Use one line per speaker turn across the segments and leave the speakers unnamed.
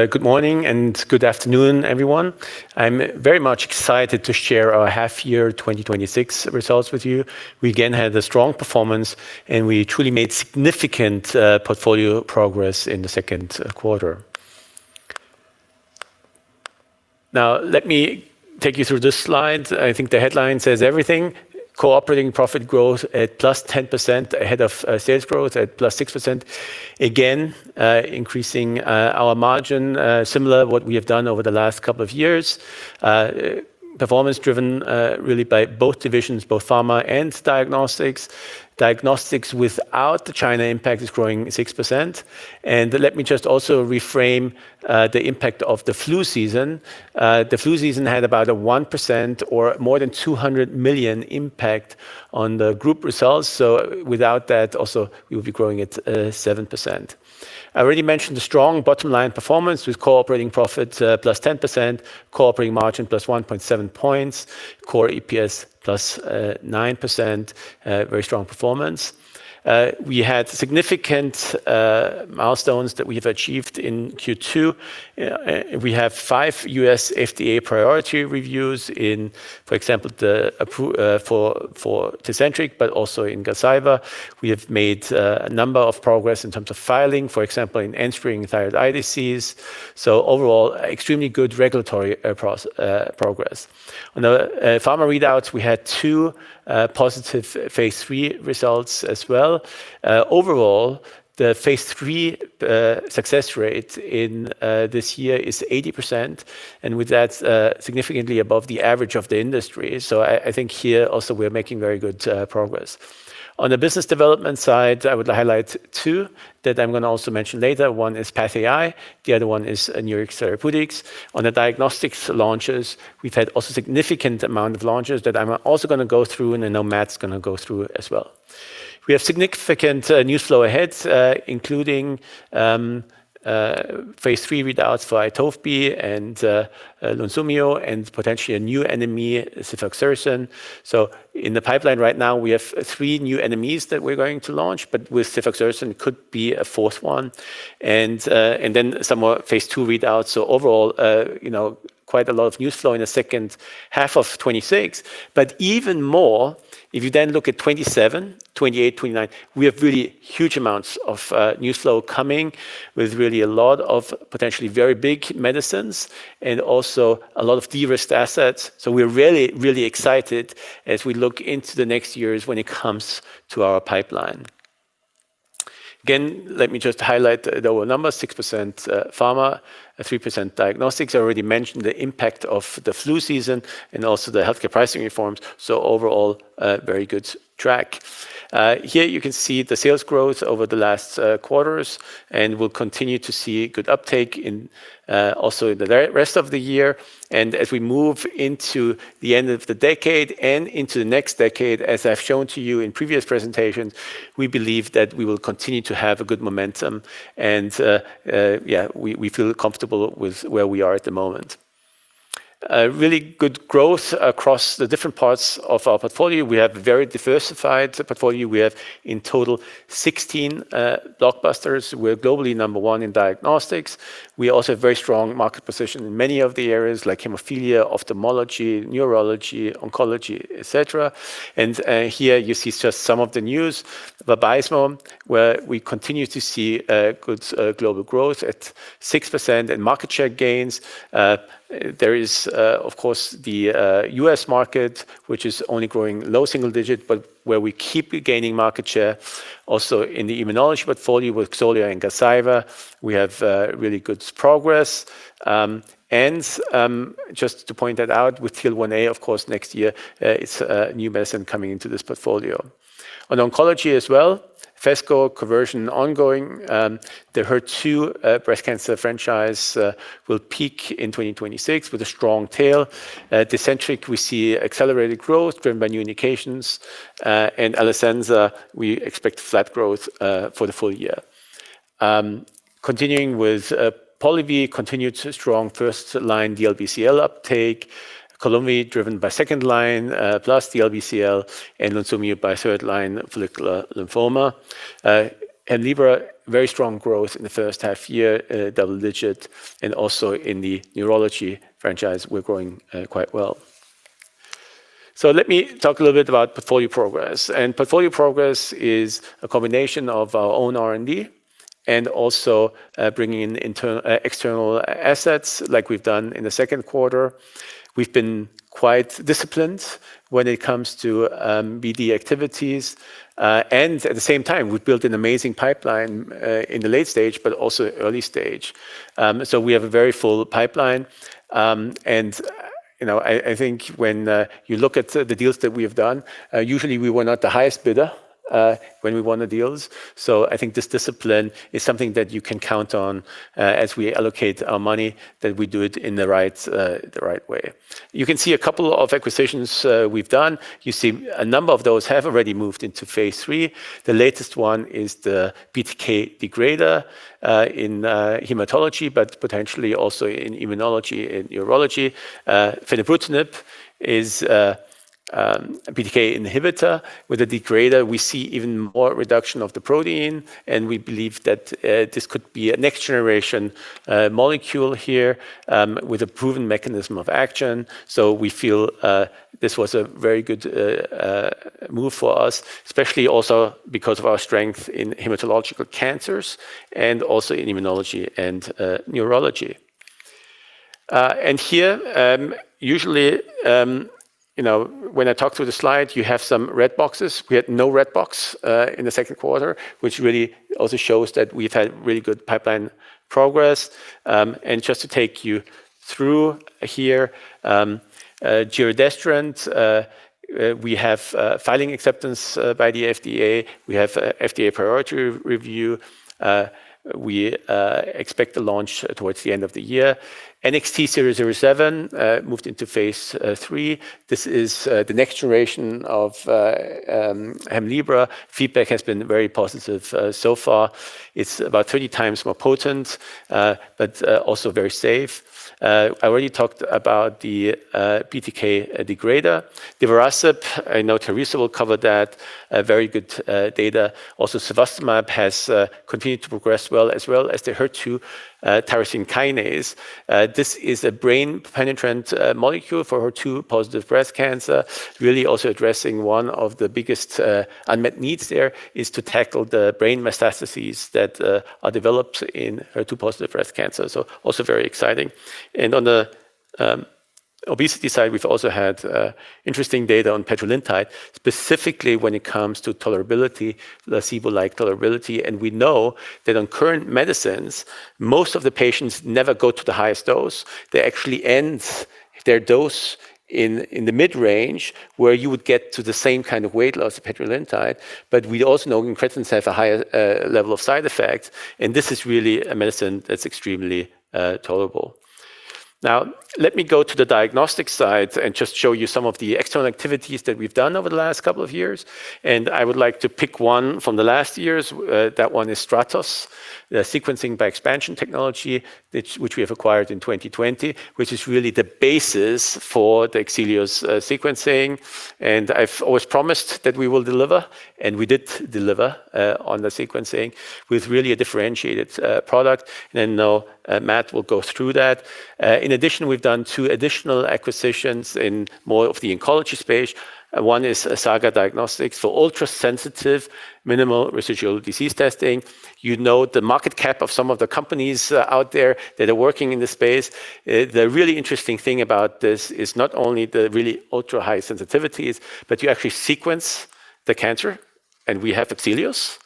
Good morning and good afternoon, everyone. I am very much excited to share our half year 2026 results with you. We again had a strong performance, and we truly made significant portfolio progress in the second quarter. Let me take you through this slide. I think the headline says everything. Core operating profit growth at +10%, ahead of sales growth at +6%. Again, increasing our margin, similar to what we have done over the last couple of years. Performance driven really by both divisions, both Pharma and Diagnostics. Diagnostics without the China impact is growing at 6%. Let me just also reframe the impact of the flu season. The flu season had about a 1% or more than 200 million impact on the group results. Without that also, we would be growing at 7%. I already mentioned the strong bottom-line performance with core operating profit +10%, core operating margin +1.7 points, core EPS +9%, very strong performance. We had significant milestones that we have achieved in Q2. We have five U.S. FDA priority reviews in, for example, for Tecentriq, but also in Gazyva. We have made a number of progress in terms of filing, for example, in end-string thyroid disease. Overall, extremely good regulatory progress. On the Pharma readouts, we had two positive phase III results as well. Overall, the phase III success rate in this year is 80%, and with that significantly above the average of the industry. I think here also we are making very good progress. On the business development side, I would highlight two that I am going to also mention later. One is PathAI, the other one is Nurix Therapeutics. On the Diagnostics launches, we have had also significant amount of launches that I am also going to go through and I know Matt is going to go through as well. We have significant new flow ahead, including phase III readouts for Itovebi and Lunsumio and potentially a new NME, Cefoxitisone. In the pipeline right now, we have three new NMEs that we are going to launch, but with Cefoxitisone could be a fourth one. Then some more phase II readouts. Overall quite a lot of new flow in the second half of 2026. But even more, if you then look at 2027, 2028, 2029, we have really huge amounts of new flow coming with really a lot of potentially very big medicines and also a lot of de-risked assets. We are really, really excited as we look into the next years when it comes to our pipeline. Again, let me just highlight our numbers, 6% Pharma, 3% Diagnostics. I already mentioned the impact of the flu season and also the healthcare pricing reforms. Overall, a very good track. Here you can see the sales growth over the last quarters, and we will continue to see good uptake in also the rest of the year. As we move into the end of the decade and into the next decade, as I have shown to you in previous presentations, we believe that we will continue to have a good momentum. We feel comfortable with where we are at the moment. Really good growth across the different parts of our portfolio. We have very diversified portfolio. We have in total 16 blockbusters. We are globally number one in Diagnostics. We also have very strong market position in many of the areas like hemophilia, ophthalmology, neurology, oncology, et cetera. Here you see just some of the news. Vabysmo, where we continue to see good global growth at 6% and market share gains. There is, of course, the U.S. market, which is only growing low single digit, but where we keep gaining market share. Also in the immunology portfolio with Xolair and Gazyva, we have really good progress. Just to point that out with TL1A, of course, next year, it is a new medicine coming into this portfolio. On oncology as well, Phesgo conversion ongoing. The HER2 breast cancer franchise will peak in 2026 with a strong tail. Tecentriq we see accelerated growth driven by new indications. Alecensa, we expect flat growth for the full year. Continuing with Polivy, continued strong first-line DLBCL uptake. Columvi driven by second-line plus DLBCL and Lunsumio by third-line follicular lymphoma. OCREVUS, very strong growth in the first half year, double-digit, and also in the neurology franchise, we're growing quite well. Let me talk a little bit about portfolio progress. Portfolio progress is a combination of our own R&D and also bringing in external assets like we've done in the second quarter. We've been quite disciplined when it comes to BD activities. At the same time, we've built an amazing pipeline in the late stage, but also early stage. We have a very full pipeline. I think when you look at the deals that we have done, usually we were not the highest bidder when we won the deals. I think this discipline is something that you can count on as we allocate our money, that we do it in the right way. You can see a couple of acquisitions we've done. You see a number of those have already moved into phase III. The latest one is the BTK degrader in hematology, but potentially also in immunology and urology. Fenebrutinib is a BTK inhibitor. With a degrader, we see even more reduction of the protein, and we believe that this could be a next-generation molecule here with a proven mechanism of action. We feel this was a very good move for us, especially also because of our strength in hematological cancers and also in immunology and neurology. Here, usually, when I talk through the slide, you have some red boxes. We had no red box in the second quarter, which really also shows that we've had really good pipeline progress. Just to take you through here, giredestrant, we have filing acceptance by the FDA. We have FDA priority review. We expect the launch towards the end of the year. NXT007 moved into phase III. This is the next-generation of HEMLIBRA. Feedback has been very positive so far. It's about 30 times more potent, but also very safe. I already talked about the BTK degrader. Divarasib, I know Teresa will cover that. Very good data. Also, cevostamab has continued to progress well, as well as the HER2 tyrosine kinase. This is a brain-penetrant molecule for HER2-positive breast cancer, really also addressing one of the biggest unmet needs there, is to tackle the brain metastases that are developed in HER2-positive breast cancer. Also very exciting. On the obesity side, we've also had interesting data on petrelintide, specifically when it comes to tolerability, placebo-like tolerability. We know that on current medicines, most of the patients never go to the highest dose. They actually end their dose in the mid-range, where you would get to the same kind of weight loss as petrelintide. We also know incretins have a higher level of side effects, and this is really a medicine that's extremely tolerable. Let me go to the diagnostic side and just show you some of the external activities that we've done over the last couple of years. I would like to pick one from the last years. That one is Stratos Genomics, sequencing by expansion technology, which we have acquired in 2020, which is really the basis for the AXELIOS sequencing. I've always promised that we will deliver, and we did deliver on the sequencing with really a differentiated product. Matt will go through that. In addition, we've done two additional acquisitions in more of the oncology space. One is SAGA Diagnostics for ultrasensitive minimal residual disease testing. You know the market cap of some of the companies out there that are working in the space. The really interesting thing about this is not only the really ultra-high sensitivities, but you actually sequence the cancer, and we have AXELIOS.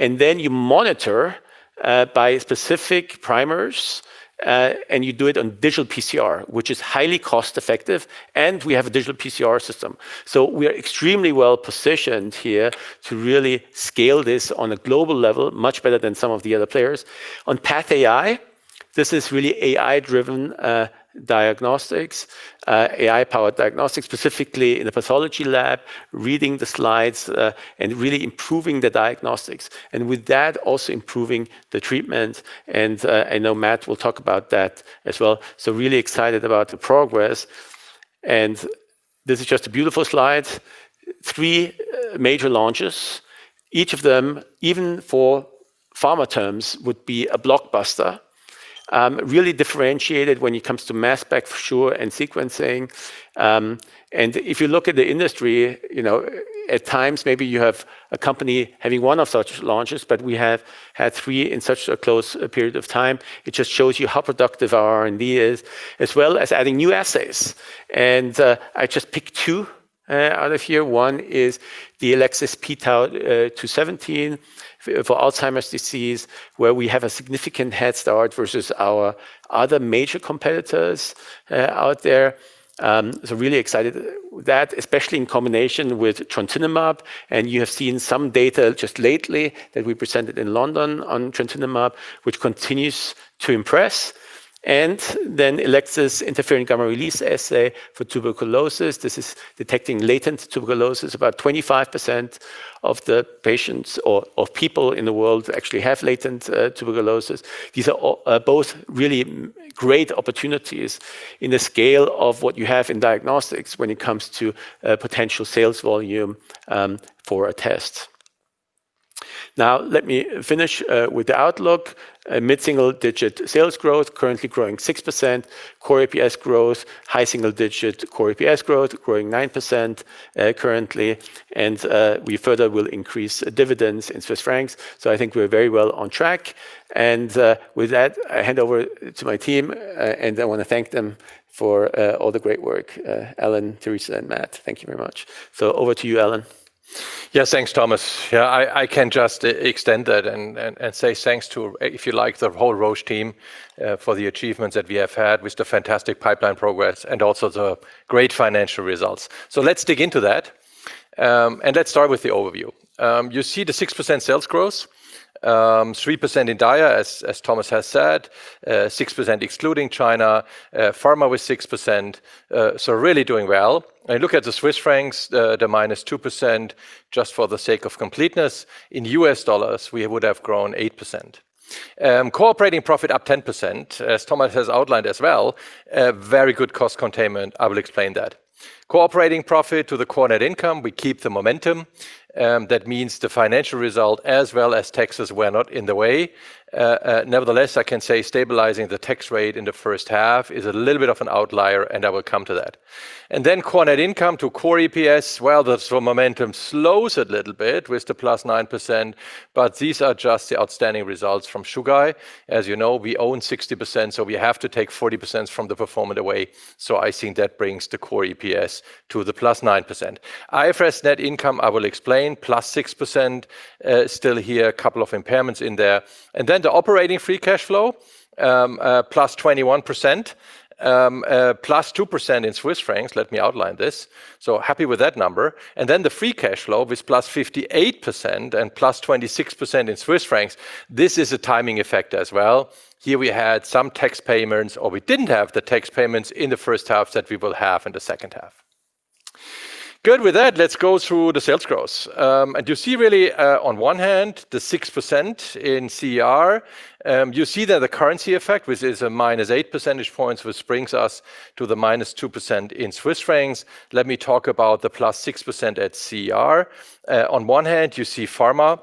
You monitor by specific primers, and you do it on digital PCR, which is highly cost-effective, and we have a digital PCR system. We are extremely well-positioned here to really scale this on a global level much better than some of the other players. On PathAI, this is really AI-driven diagnostics, AI-powered diagnostics, specifically in the pathology lab, reading the slides, and really improving the diagnostics. With that, also improving the treatment. I know Matt will talk about that as well. Really excited about the progress. This is just a beautiful slide. Three major launches. Each of them, even for pharma terms, would be a blockbuster. Really differentiated when it comes to mass spec for sure, and sequencing. If you look at the industry, at times maybe you have a company having one of such launches, we have had three in such a close period of time. It just shows you how productive our R&D is, as well as adding new assays. I just picked two out of here. One is the Elecsys pTau217 for Alzheimer's disease, where we have a significant head start versus our other major competitors out there. Really excited with that, especially in combination with trontinemab. You have seen some data just lately that we presented in London on trontinemab, which continues to impress. Elecsys Interferon Gamma Release Assay for tuberculosis. This is detecting latent tuberculosis. About 25% of the patients or of people in the world actually have latent tuberculosis. These are both really great opportunities in the scale of what you have in diagnostics when it comes to potential sales volume for a test. Let me finish with the outlook. Mid-single-digit sales growth, currently growing 6%. Core EPS growth, high single digit. Core EPS growth, growing 9% currently. We further will increase dividends in CHF. I think we're very well on track. With that, I hand over to my team, and I want to thank them for all the great work. Alan, Teresa, and Matt, thank you very much. Over to you, Alan.
Thanks, Thomas. I can just extend that and say thanks to, if you like, the whole Roche team for the achievements that we have had with the fantastic pipeline progress and also the great financial results. Let's dig into that, and let's start with the overview. You see the 6% sales growth, 3% in Diagnostics, as Thomas has said, 6% excluding China, Pharma with 6%, really doing well. Look at the CHF, the -2%, just for the sake of completeness. In U.S. dollars, we would have grown 8%. Core operating profit up 10%, as Thomas has outlined as well, very good cost containment. I will explain that. Core operating profit to the core net income, we keep the momentum. That means the financial result as well as taxes were not in the way. I can say stabilizing the tax rate in the first half is a little bit of an outlier, and I will come to that. Core net income to core EPS, well, the momentum slows a little bit with the +9%, but these are just the outstanding results from Chugai. As you know, we own 60%, so we have to take 40% from the performance away. I think that brings the core EPS to the +9%. IFRS net income, I will explain, +6%, still here, a couple of impairments in there. The operating free cash flow, +21%, +2% in CHF. Let me outline this. Happy with that number. The free cash flow was +58% and +26% in CHF. This is a timing effect as well. Here we had some tax payments, or we didn't have the tax payments in the first half that we will have in the second half. With that, let's go through the sales growth. You see really, on one hand, the 6% in CER. You see that the currency effect, which is a -8 percentage points, which brings us to the -2% in CHF. Let me talk about the +6% at CER. On one hand, you see Pharma.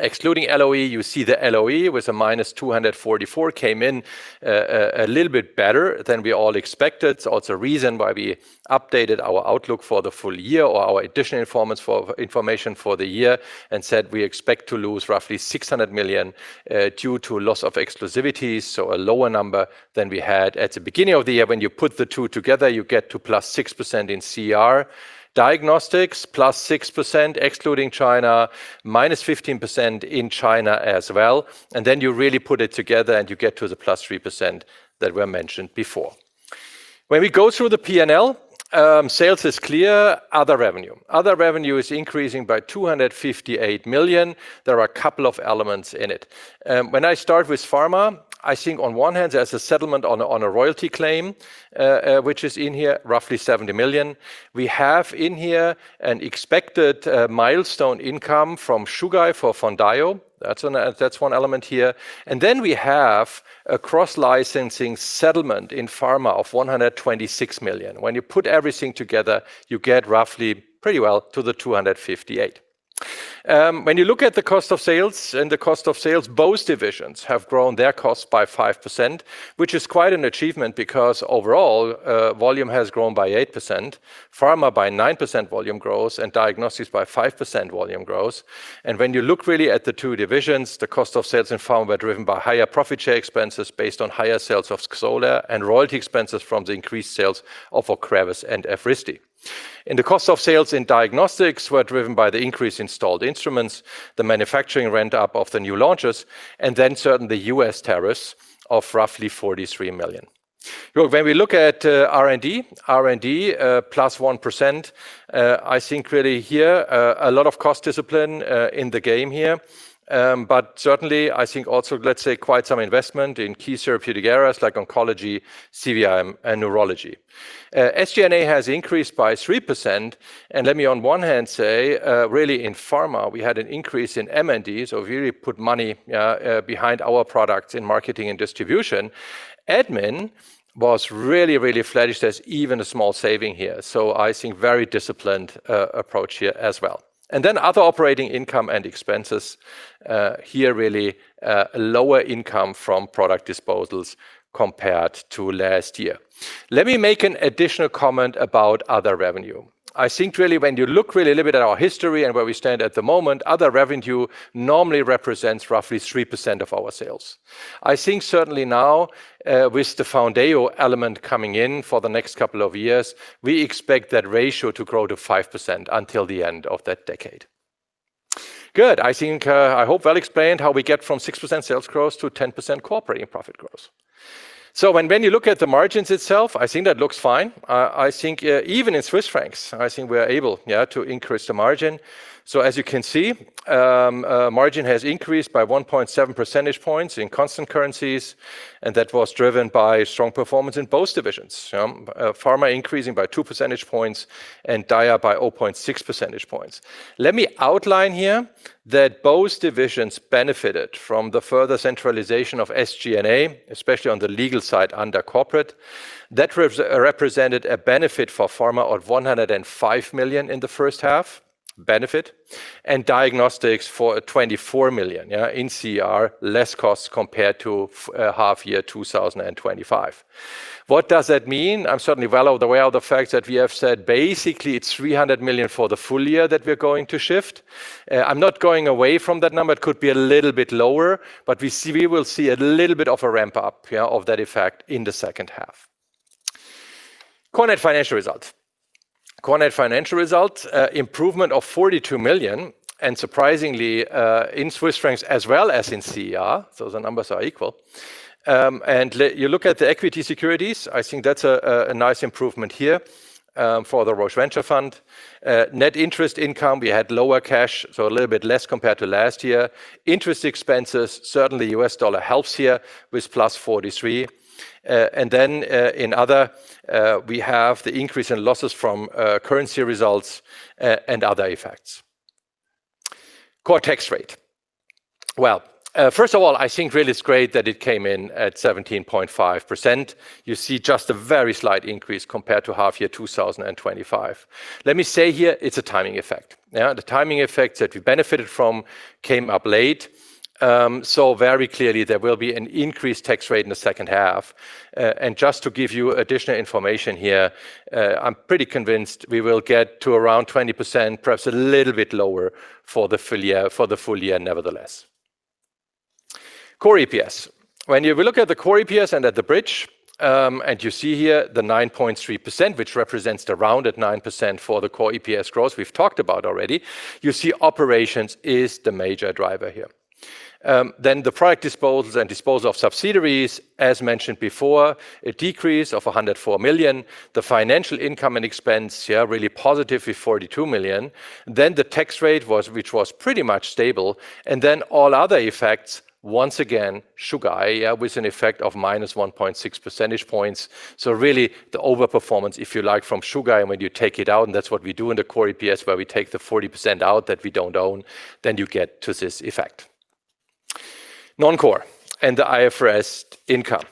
Excluding LOE, you see the LOE with a -244 million came in a little bit better than we all expected. It's also reason why we updated our outlook for the full year or our additional information for the year and said we expect to lose roughly 600 million due to loss of exclusivity, a lower number than we had at the beginning of the year. When you put the two together, you get to +6% in CER. Diagnostics, +6%, excluding China, -15% in China as well. You really put it together and you get to the +3% that were mentioned before. When we go through the P&L, sales is clear, other revenue. Other revenue is increasing by 258 million. There are a couple of elements in it. When I start with Pharma, I think on one hand, there's a settlement on a royalty claim, which is in here roughly 70 million. We have in here an expected milestone income from Chugai for Foundayo. That's one element here. We have a cross-licensing settlement in Pharma of 126 million. When you put everything together, you get roughly pretty well to the 258 million. When you look at the cost of sales, in the cost of sales, both divisions have grown their costs by 5%, which is quite an achievement because overall, volume has grown by 8%, pharma by 9% volume growth, and diagnostics by 5% volume growth. When you look really at the two divisions, the cost of sales in pharma were driven by higher profit share expenses based on higher sales of XOLAIR and royalty expenses from the increased sales of OCREVUS and Evrysdi. The cost of sales in diagnostics were driven by the increase in installed instruments, the manufacturing ramp-up of the new launches, and then certainly the U.S. tariffs of roughly 43 million. When we look at R&D, R&D +1%. I think really here, a lot of cost discipline in the game here. Certainly, I think also, let's say, quite some investment in key therapeutic areas like oncology, CVRM, and neurology. SG&A has increased by 3%, and let me on one hand say, really in pharma, we had an increase in M&D, so we really put money behind our products in marketing and distribution. Admin was really, really flat. There's even a small saving here. I think very disciplined approach here as well. Then other operating income and expenses, here really, lower income from product disposals compared to last year. Let me make an additional comment about other revenue. I think really when you look really a little bit at our history and where we stand at the moment, other revenue normally represents roughly 3% of our sales. I think certainly now, with the Foundayo element coming in for the next couple of years, we expect that ratio to grow to 5% until the end of that decade. Good. I hope I explained how we get from 6% sales growth to 10% core operating profit growth. When you look at the margins itself, I think that looks fine. I think even in Swiss francs, I think we are able to increase the margin. As you can see, margin has increased by 1.7 percentage points in constant currencies, and that was driven by strong performance in both divisions. Pharma increasing by 2 percentage points and Dia by 0.6 percentage points. Let me outline here that both divisions benefited from the further centralization of SG&A, especially on the legal side under corporate. That represented a benefit for pharma of 105 million in the first half, benefit, and diagnostics for 24 million in CER, less costs compared to half year 2025. What does that mean? I'm certainly well aware of the fact that we have said basically it's 300 million for the full year that we're going to shift. I'm not going away from that number. It could be a little bit lower, but we will see a little bit of a ramp-up of that effect in the second half. Core net financial result. Core net financial result, improvement of 42 million, and surprisingly, in Swiss francs as well as in CER, the numbers are equal. You look at the equity securities, I think that's a nice improvement here for the Roche Venture Fund. Net interest income, we had lower cash, so a little bit less compared to last year. Interest expenses, certainly US dollar helps here with plus $43. In other, we have the increase in losses from currency results and other effects. Core tax rate. First of all, I think really it's great that it came in at 17.5%. You see just a very slight increase compared to half year 2025. Let me say here, it's a timing effect. The timing effect that we benefited from came up late. Very clearly there will be an increased tax rate in the second half. Just to give you additional information here, I'm pretty convinced we will get to around 20%, perhaps a little bit lower for the full year, nevertheless. Core EPS. When we look at the core EPS and at the bridge, you see here the 9.3%, which represents the rounded 9% for the core EPS growth we've talked about already. You see operations is the major driver here. The product disposals and disposal of subsidiaries, as mentioned before, a decrease of 104 million. The financial income and expense here, really positive with 42 million. The tax rate, which was pretty much stable. All other effects, once again, Chugai, with an effect of minus 1.6 percentage points. Really the overperformance, if you like, from Chugai, and when you take it out, and that's what we do in the core EPS, where we take the 40% out that we don't own, then you get to this effect. Non-core and the IFRS income.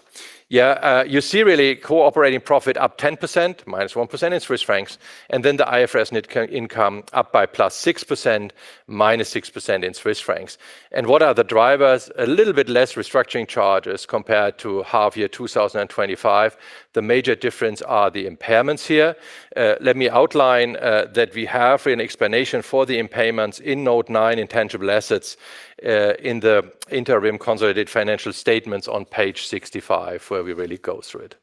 You see really core operating profit up 10%, minus 1% in Swiss francs, then the IFRS net income up by plus 6%, minus 6% in Swiss francs. What are the drivers? A little bit less restructuring charges compared to half year 2025. The major difference are the impairments here. Let me outline that we have an explanation for the impairments in node nine, intangible assets, in the interim consolidated financial statements on page 65, where we really go through it.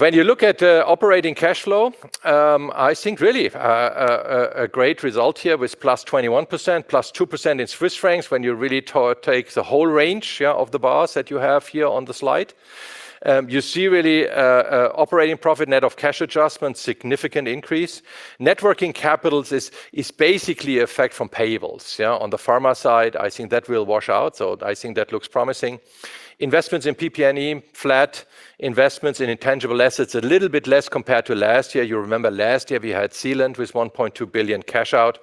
When you look at operating cash flow, I think really a great result here with plus 21%, plus 2% in Swiss francs, when you really take the whole range of the bars that you have here on the slide. You see really operating profit net of cash adjustments, significant increase. Networking capitals is basically effect from payables. On the pharma side, I think that will wash out, so I think that looks promising. Investments in PP&E, flat. Investments in intangible assets, a little bit less compared to last year. You remember last year we had Zealand Pharma with 1.2 billion cash out.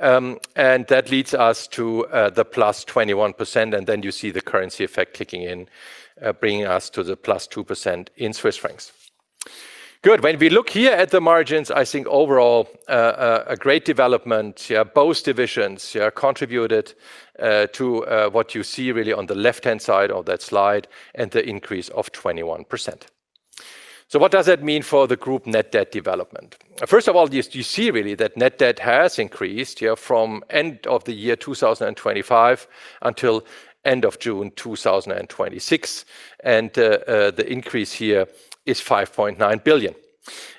That leads us to the plus 21%, you see the currency effect kicking in, bringing us to the plus 2% in Swiss francs. When we look here at the margins, I think overall a great development here. Both divisions contributed to what you see really on the left-hand side of that slide and the increase of 201%. What does that mean for the group net debt development? First of all, you see really that net debt has increased from end of the year 2025 until end of June 2026. The increase here is 5.9 billion.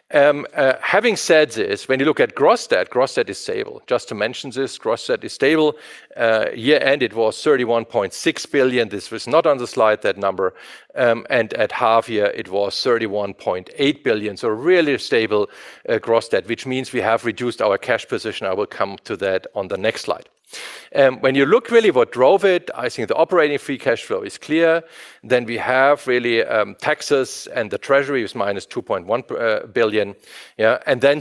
Having said this, when you look at gross debt, gross debt is stable. Just to mention this, gross debt is stable. Year-end it was 31.6 billion. This was not on the slide, that number. At half year, it was 31.8 billion. Really a stable gross debt, which means we have reduced our cash position. I will come to that on the next slide. When you look really what drove it, I think the operating free cash flow is clear. We have really taxes and the treasury is minus 2.1 billion.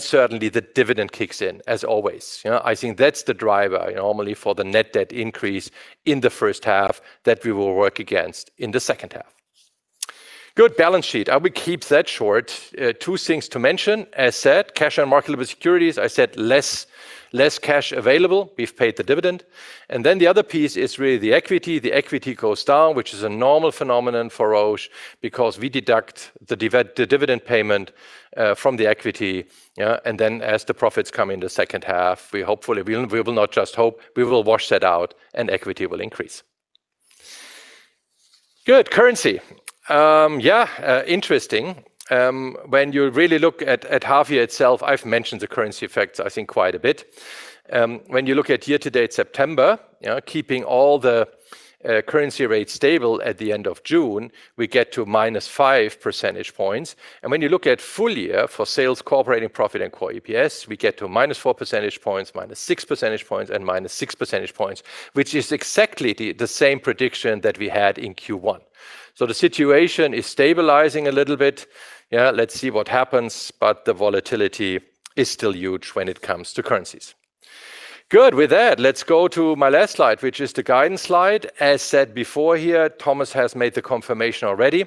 Certainly the dividend kicks in as always. I think that's the driver normally for the net debt increase in the first half that we will work against in the second half. Balance sheet. I will keep that short. Two things to mention. As said, cash and marketable securities, I said less cash available. We've paid the dividend. The other piece is really the equity. The equity goes down, which is a normal phenomenon for Roche because we deduct the dividend payment from the equity. As the profits come in the second half, we will not just hope, we will wash that out and equity will increase. Currency. Interesting. When you really look at half year itself, I've mentioned the currency effects, I think, quite a bit. When you look at year to date, September, keeping all the currency rates stable at the end of June, we get to minus 5 percentage points. When you look at full year for sales, core operating profit, and core EPS, we get to minus 4 percentage points, minus 6 percentage points, and minus 6 percentage points, which is exactly the same prediction that we had in Q1. The situation is stabilizing a little bit. Let's see what happens, but the volatility is still huge when it comes to currencies. With that, let's go to my last slide, which is the guidance slide. As said before here, Thomas has made the confirmation already.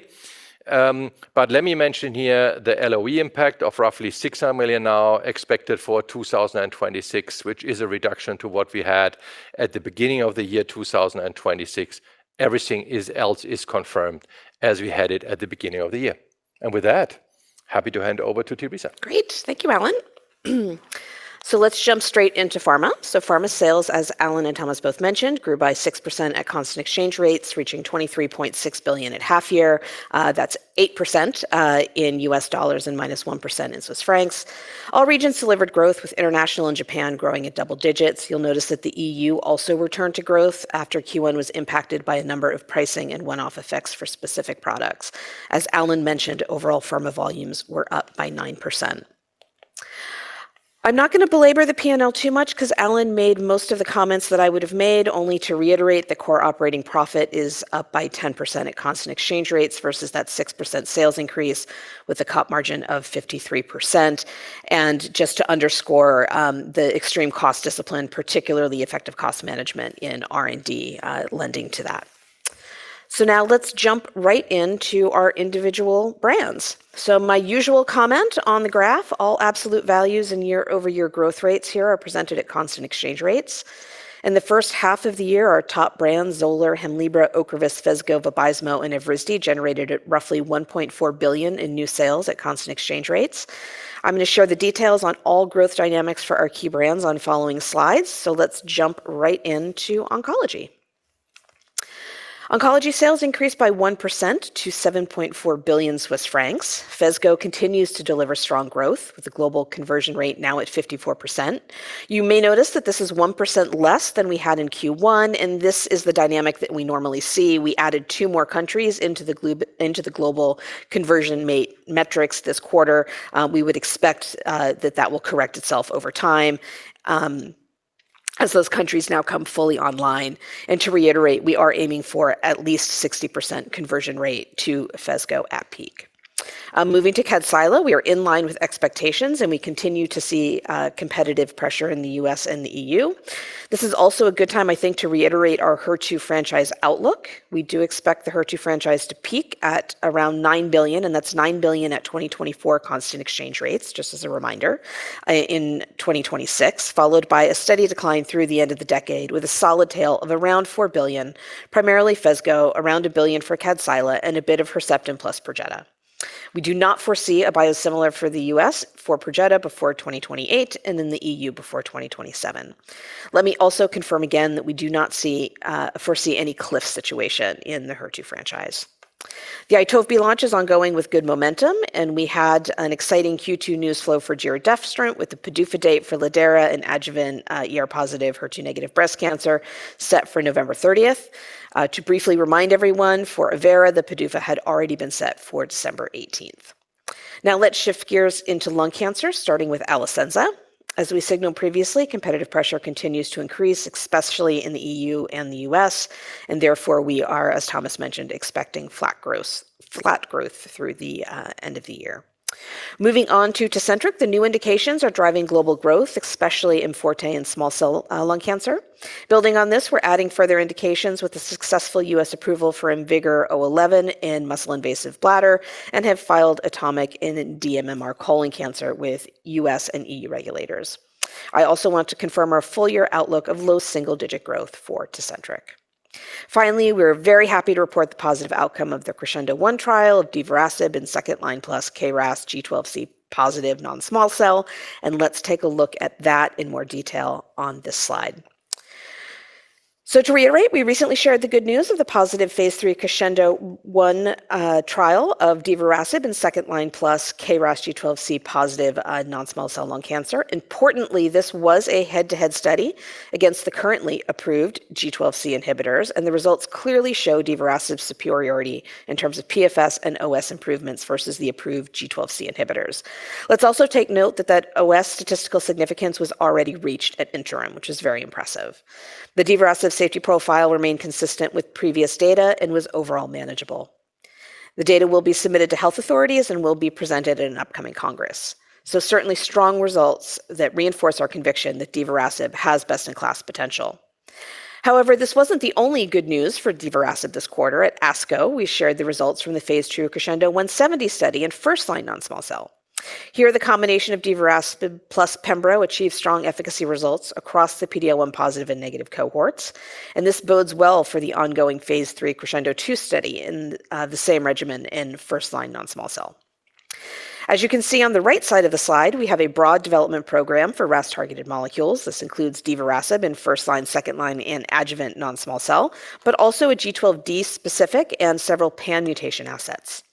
Let me mention here the LOE impact of roughly 600 million now expected for 2026, which is a reduction to what we had at the beginning of the year 2026. Everything else is confirmed as we had it at the beginning of the year. With that, happy to hand over to Teresa.
Thank you, Alan. Let's jump straight into pharma. Pharma sales, as Alan and Thomas both mentioned, grew by 6% at constant exchange rates, reaching 23.6 billion at half year. That's 8% in USD and minus 1% in Swiss francs. All regions delivered growth, with international and Japan growing at double digits. You'll notice that the EU also returned to growth after Q1 was impacted by a number of pricing and one-off effects for specific products. As Alan mentioned, overall pharma volumes were up by 9%. I'm not going to belabor the P&L too much because Alan made most of the comments that I would have made, only to reiterate that core operating profit is up by 10% at constant exchange rates versus that 6% sales increase with a COP margin of 53%. Just to underscore the extreme cost discipline, particularly effective cost management in R&D lending to that. Now let's jump right into our individual brands. My usual comment on the graph, all absolute values and year-over-year growth rates here are presented at constant exchange rates. In the first half of the year, our top brands, XOLAIR, HEMLIBRA, OCREVUS, Phesgo, Vabysmo, and Evrysdi, generated roughly 1.4 billion in new sales at constant exchange rates. I'm going to share the details on all growth dynamics for our key brands on following slides. Let's jump right into oncology. Oncology sales increased by 1% to 7.4 billion Swiss francs. Phesgo continues to deliver strong growth, with the global conversion rate now at 54%. You may notice that this is 1% less than we had in Q1, and this is the dynamic that we normally see. We added two more countries into the global conversion metrics this quarter. We would expect that that will correct itself over time as those countries now come fully online. To reiterate, we are aiming for at least 60% conversion rate to Phesgo at peak. Moving to KADCYLA, we are in line with expectations, and we continue to see competitive pressure in the U.S. and the EU. This is also a good time, I think, to reiterate our HER2 franchise outlook. We do expect the HER2 franchise to peak at around 9 billion, and that's 9 billion at 2024 constant exchange rates, just as a reminder, in 2026, followed by a steady decline through the end of the decade, with a solid tail of around 4 billion, primarily Phesgo, around 1 billion for KADCYLA, and a bit of Herceptin plus Perjeta. We do not foresee a biosimilar for the U.S. for Perjeta before 2028 and in the EU before 2027. Let me also confirm again that we do not foresee any cliff situation in the HER2 franchise. The Itovebi launch is ongoing with good momentum, and we had an exciting Q2 news flow for giredestrant with the PDUFA date for lidERA and adjuvant ER-positive, HER2-negative breast cancer set for November 30th. To briefly remind everyone, for Avera, the PDUFA had already been set for December 18th. Let's shift gears into lung cancer, starting with Alecensa. As we signaled previously, competitive pressure continues to increase, especially in the EU and the U.S., and therefore we are, as Thomas mentioned, expecting flat growth through the end of the year. Moving on to Tecentriq. The new indications are driving global growth, especially in IMforte and small cell lung cancer. Building on this, we're adding further indications with the successful U.S. approval for IMvigor011 in muscle-invasive bladder and have filed ATOMIC in dMMR colon cancer with U.S. and EU regulators. I also want to confirm our full-year outlook of low double-digit growth for Tecentriq. Finally, we are very happy to report the positive outcome of the Krascendo 1 trial of divarasib in second line plus KRAS G12C positive non-small cell, and let's take a look at that in more detail on this slide. To reiterate, we recently shared the good news of the positive phase III Krascendo 1 trial of divarasib in second line plus KRAS G12C positive non-small cell lung cancer. Importantly, this was a head-to-head study against the currently approved G12C inhibitors, and the results clearly show divarasib's superiority in terms of PFS and OS improvements versus the approved G12C inhibitors. Let's also take note that that OS statistical significance was already reached at interim, which is very impressive. The divarasib safety profile remained consistent with previous data and was overall manageable. The data will be submitted to health authorities and will be presented at an upcoming congress. Certainly strong results that reinforce our conviction that divarasib has best-in-class potential. However, this wasn't the only good news for divarasib this quarter. At ASCO, we shared the results from the Phase II Krascendo-170 study in first-line non-small cell. Here, the combination of divarasib plus pembro achieved strong efficacy results across the PD-L1 positive and negative cohorts, this bodes well for the ongoing Phase III Krascendo 2 study in the same regimen in first-line non-small cell. As you can see on the right side of the slide, we have a broad development program for RAS targeted molecules. This includes divarasib in first line, second line, and adjuvant non-small cell, but also a G12D specific and several pan-mutation assets.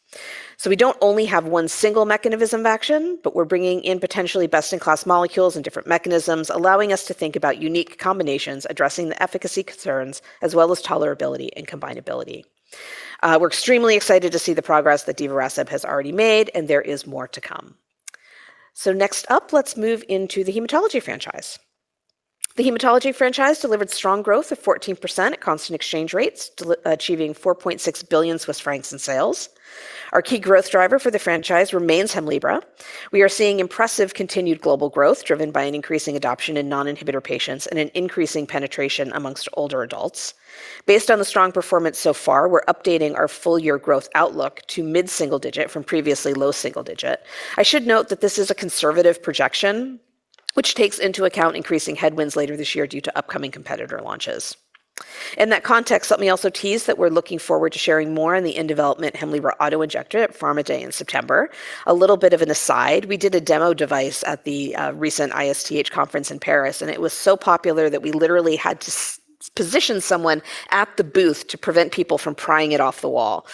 We don't only have one single mechanism of action, but we're bringing in potentially best-in-class molecules and different mechanisms, allowing us to think about unique combinations addressing the efficacy concerns as well as tolerability and combinability. We're extremely excited to see the progress that divarasib has already made, there is more to come. Next up, let's move into the hematology franchise. The hematology franchise delivered strong growth of 14% at constant exchange rates, achieving 4.6 billion Swiss francs in sales. Our key growth driver for the franchise remains HEMLIBRA. We are seeing impressive continued global growth driven by an increasing adoption in non-inhibitor patients and an increasing penetration amongst older adults. Based on the strong performance so far, we're updating our full-year growth outlook to mid-single digit from previously low single digit. I should note that this is a conservative projection, which takes into account increasing headwinds later this year due to upcoming competitor launches. In that context, let me also tease that we're looking forward to sharing more on the in-development HEMLIBRA auto-injector at Pharma Day in September. A little bit of an aside, we did a demo device at the recent ISTH conference in Paris, it was so popular that we literally had to position someone at the booth to prevent people from prying it off the wall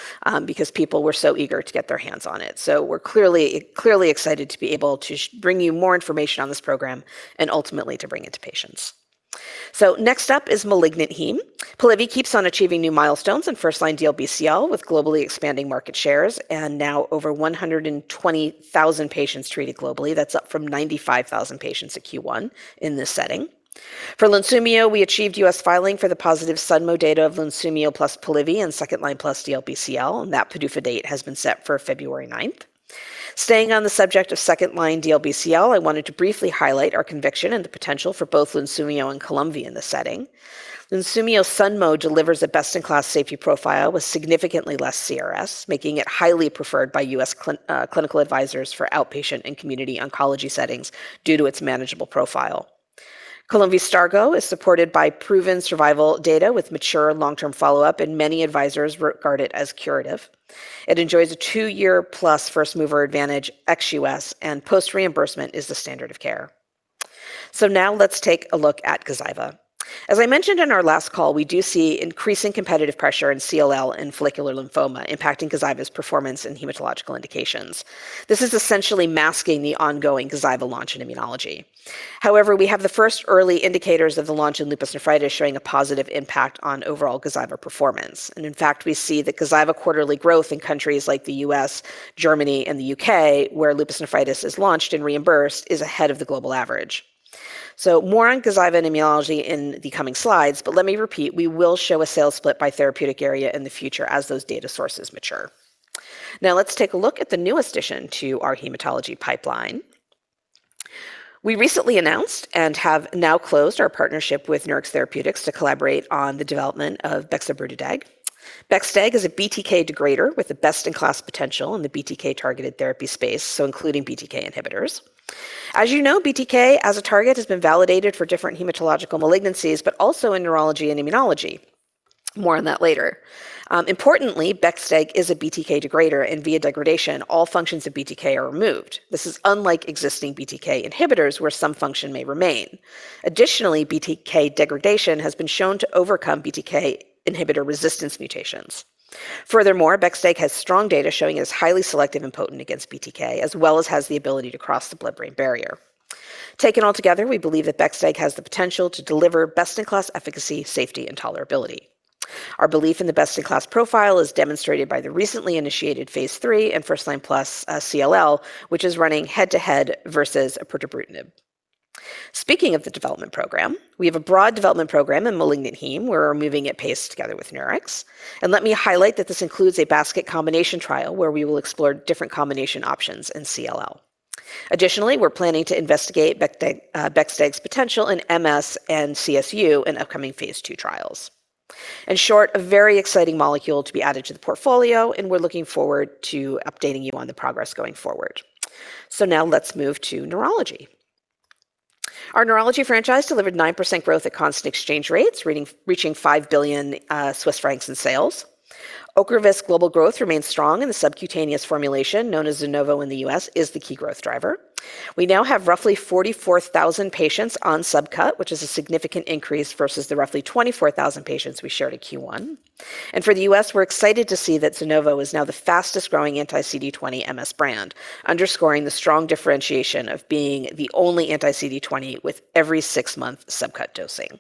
because people were so eager to get their hands on it. We're clearly excited to be able to bring you more information on this program and ultimately to bring it to patients. Next up is malignant heme. Polivy keeps on achieving new milestones in first-line DLBCL with globally expanding market shares and now over 120,000 patients treated globally. That's up from 95,000 patients at Q1 in this setting. For Lunsumio, we achieved U.S. filing for the positive SUNMO data of Lunsumio plus Polivy in second line plus DLBCL, that PDUFA date has been set for February 9th. Staying on the subject of second-line DLBCL, I wanted to briefly highlight our conviction and the potential for both Lunsumio and Columvi in the setting. Lunsumio SUNMO delivers a best-in-class safety profile with significantly less CRS, making it highly preferred by U.S. clinical advisors for outpatient and community oncology settings due to its manageable profile. Columvi Stargo is supported by proven survival data with mature long-term follow-up, many advisors regard it as curative. It enjoys a two-year-plus first-mover advantage ex-U.S. Post reimbursement is the standard of care. Let's take a look at Gazyva. As I mentioned in our last call, we do see increasing competitive pressure in CLL and follicular lymphoma impacting Gazyva's performance in hematological indications. This is essentially masking the ongoing Gazyva launch in immunology. However, we have the first early indicators of the launch in lupus nephritis showing a positive impact on overall Gazyva performance. In fact, we see the Gazyva quarterly growth in countries like the U.S., Germany, and the U.K., where lupus nephritis is launched and reimbursed, is ahead of the global average. More on Gazyva and immunology in the coming slides, but let me repeat, we will show a sales split by therapeutic area in the future as those data sources mature. Let's take a look at the newest addition to our hematology pipeline. We recently announced and have now closed our partnership with Nurix Therapeutics to collaborate on the development of bexobrutideg. Bexobrutideg is a BTK degrader with a best-in-class potential in the BTK-targeted therapy space, including BTK inhibitors. As you know, BTK as a target has been validated for different hematological malignancies, but also in neurology and immunology. More on that later. Importantly, bexobrutideg is a BTK degrader, and via degradation, all functions of BTK are removed. This is unlike existing BTK inhibitors, where some function may remain. Additionally, BTK degradation has been shown to overcome BTK inhibitor resistance mutations. Furthermore, bexobrutideg has strong data showing it is highly selective and potent against BTK, as well as has the ability to cross the blood-brain barrier. Taken altogether, we believe that bexobrutideg has the potential to deliver best-in-class efficacy, safety, and tolerability. Our belief in the best-in-class profile is demonstrated by the recently initiated phase III and first line plus CLL, which is running head to head versus ibrutinib. Speaking of the development program, we have a broad development program in malignant heme, where we're moving at pace together with Nurix. Let me highlight that this includes a basket combination trial where we will explore different combination options in CLL. Additionally, we're planning to investigate bexobrutideg's potential in MS and CSU in upcoming phase II trials. In short, a very exciting molecule to be added to the portfolio, we're looking forward to updating you on the progress going forward. Let's move to neurology. Our neurology franchise delivered 9% growth at constant exchange rates, reaching 5 billion Swiss francs in sales. Ocrevus global growth remains strong, the subcutaneous formulation, known as ZUNOVO in the U.S., is the key growth driver. We now have roughly 44,000 patients on subcut, which is a significant increase versus the roughly 24,000 patients we shared at Q1. For the U.S., we're excited to see that ZUNOVO is now the fastest-growing anti-CD20 MS brand, underscoring the strong differentiation of being the only anti-CD20 with every six-month subcut dosing.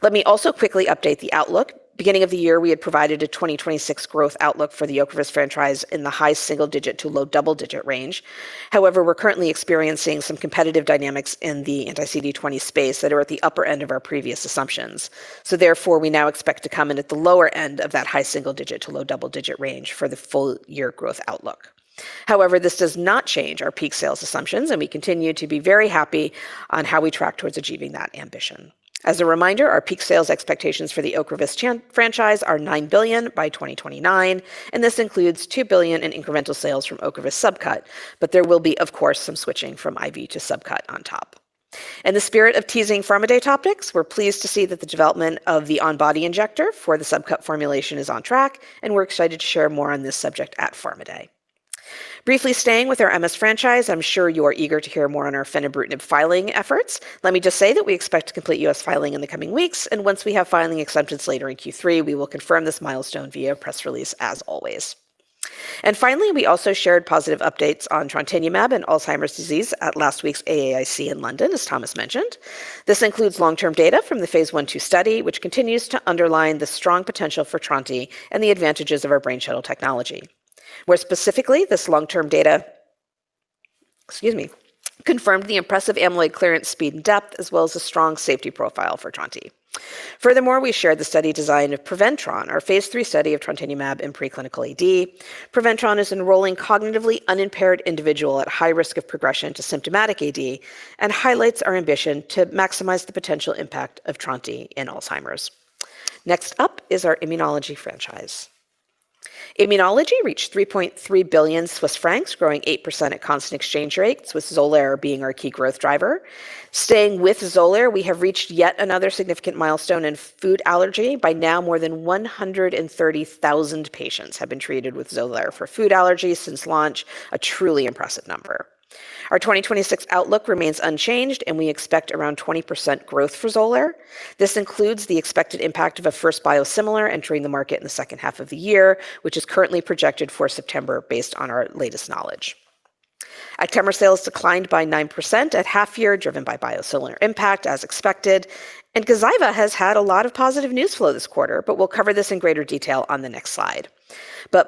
Let me also quickly update the outlook. Beginning of the year, we had provided a 2026 growth outlook for the Ocrevus franchise in the high single-digit to low double-digit range. However, we're currently experiencing some competitive dynamics in the anti-CD20 space that are at the upper end of our previous assumptions. Therefore, we now expect to come in at the lower end of that high single digit to low double digit range for the full year growth outlook. However, this does not change our peak sales assumptions, and we continue to be very happy on how we track towards achieving that ambition. As a reminder, our peak sales expectations for the OCREVUS franchise are 9 billion by 2029, and this includes 2 billion in incremental sales from OCREVUS subcut, but there will be, of course, some switching from IV to subcut on top. In the spirit of teasing Pharma Day topics, we are pleased to see that the development of the on-body injector for the subcut formulation is on track, and we are excited to share more on this subject at Pharma Day. Briefly staying with our MS franchise, I am sure you are eager to hear more on our fenebrutinib filing efforts. Let me just say that we expect to complete U.S. filing in the coming weeks, and once we have filing acceptance later in Q3, we will confirm this milestone via press release as always. Finally, we also shared positive updates on trontinemab and Alzheimer's disease at last week's AAIC in London, as Thomas mentioned. This includes long-term data from the phase I/II study, which continues to underline the strong potential for trontinemab and the advantages of our brain shuttle technology, where specifically this long-term data, excuse me, confirmed the impressive amyloid clearance speed and depth, as well as a strong safety profile for trontinemab. Furthermore, we shared the study design of PrevenTRON, our phase III study of trontinemab in preclinical AD. PrevenTRON is enrolling cognitively unimpaired individual at high risk of progression to symptomatic AD and highlights our ambition to maximize the potential impact of trontinemab in Alzheimer's. Next up is our immunology franchise. Immunology reached 3.3 billion Swiss francs, growing 8% at constant exchange rates, with XOLAIR being our key growth driver. Staying with XOLAIR, we have reached yet another significant milestone in food allergy. By now, more than 130,000 patients have been treated with XOLAIR for food allergies since launch, a truly impressive number. Our 2026 outlook remains unchanged, and we expect around 20% growth for XOLAIR. This includes the expected impact of a first biosimilar entering the market in the second half of the year, which is currently projected for September based on our latest knowledge. Actemra sales declined by 9% at half year, driven by biosimilar impact, as expected. Gazyva has had a lot of positive news flow this quarter, but we will cover this in greater detail on the next slide.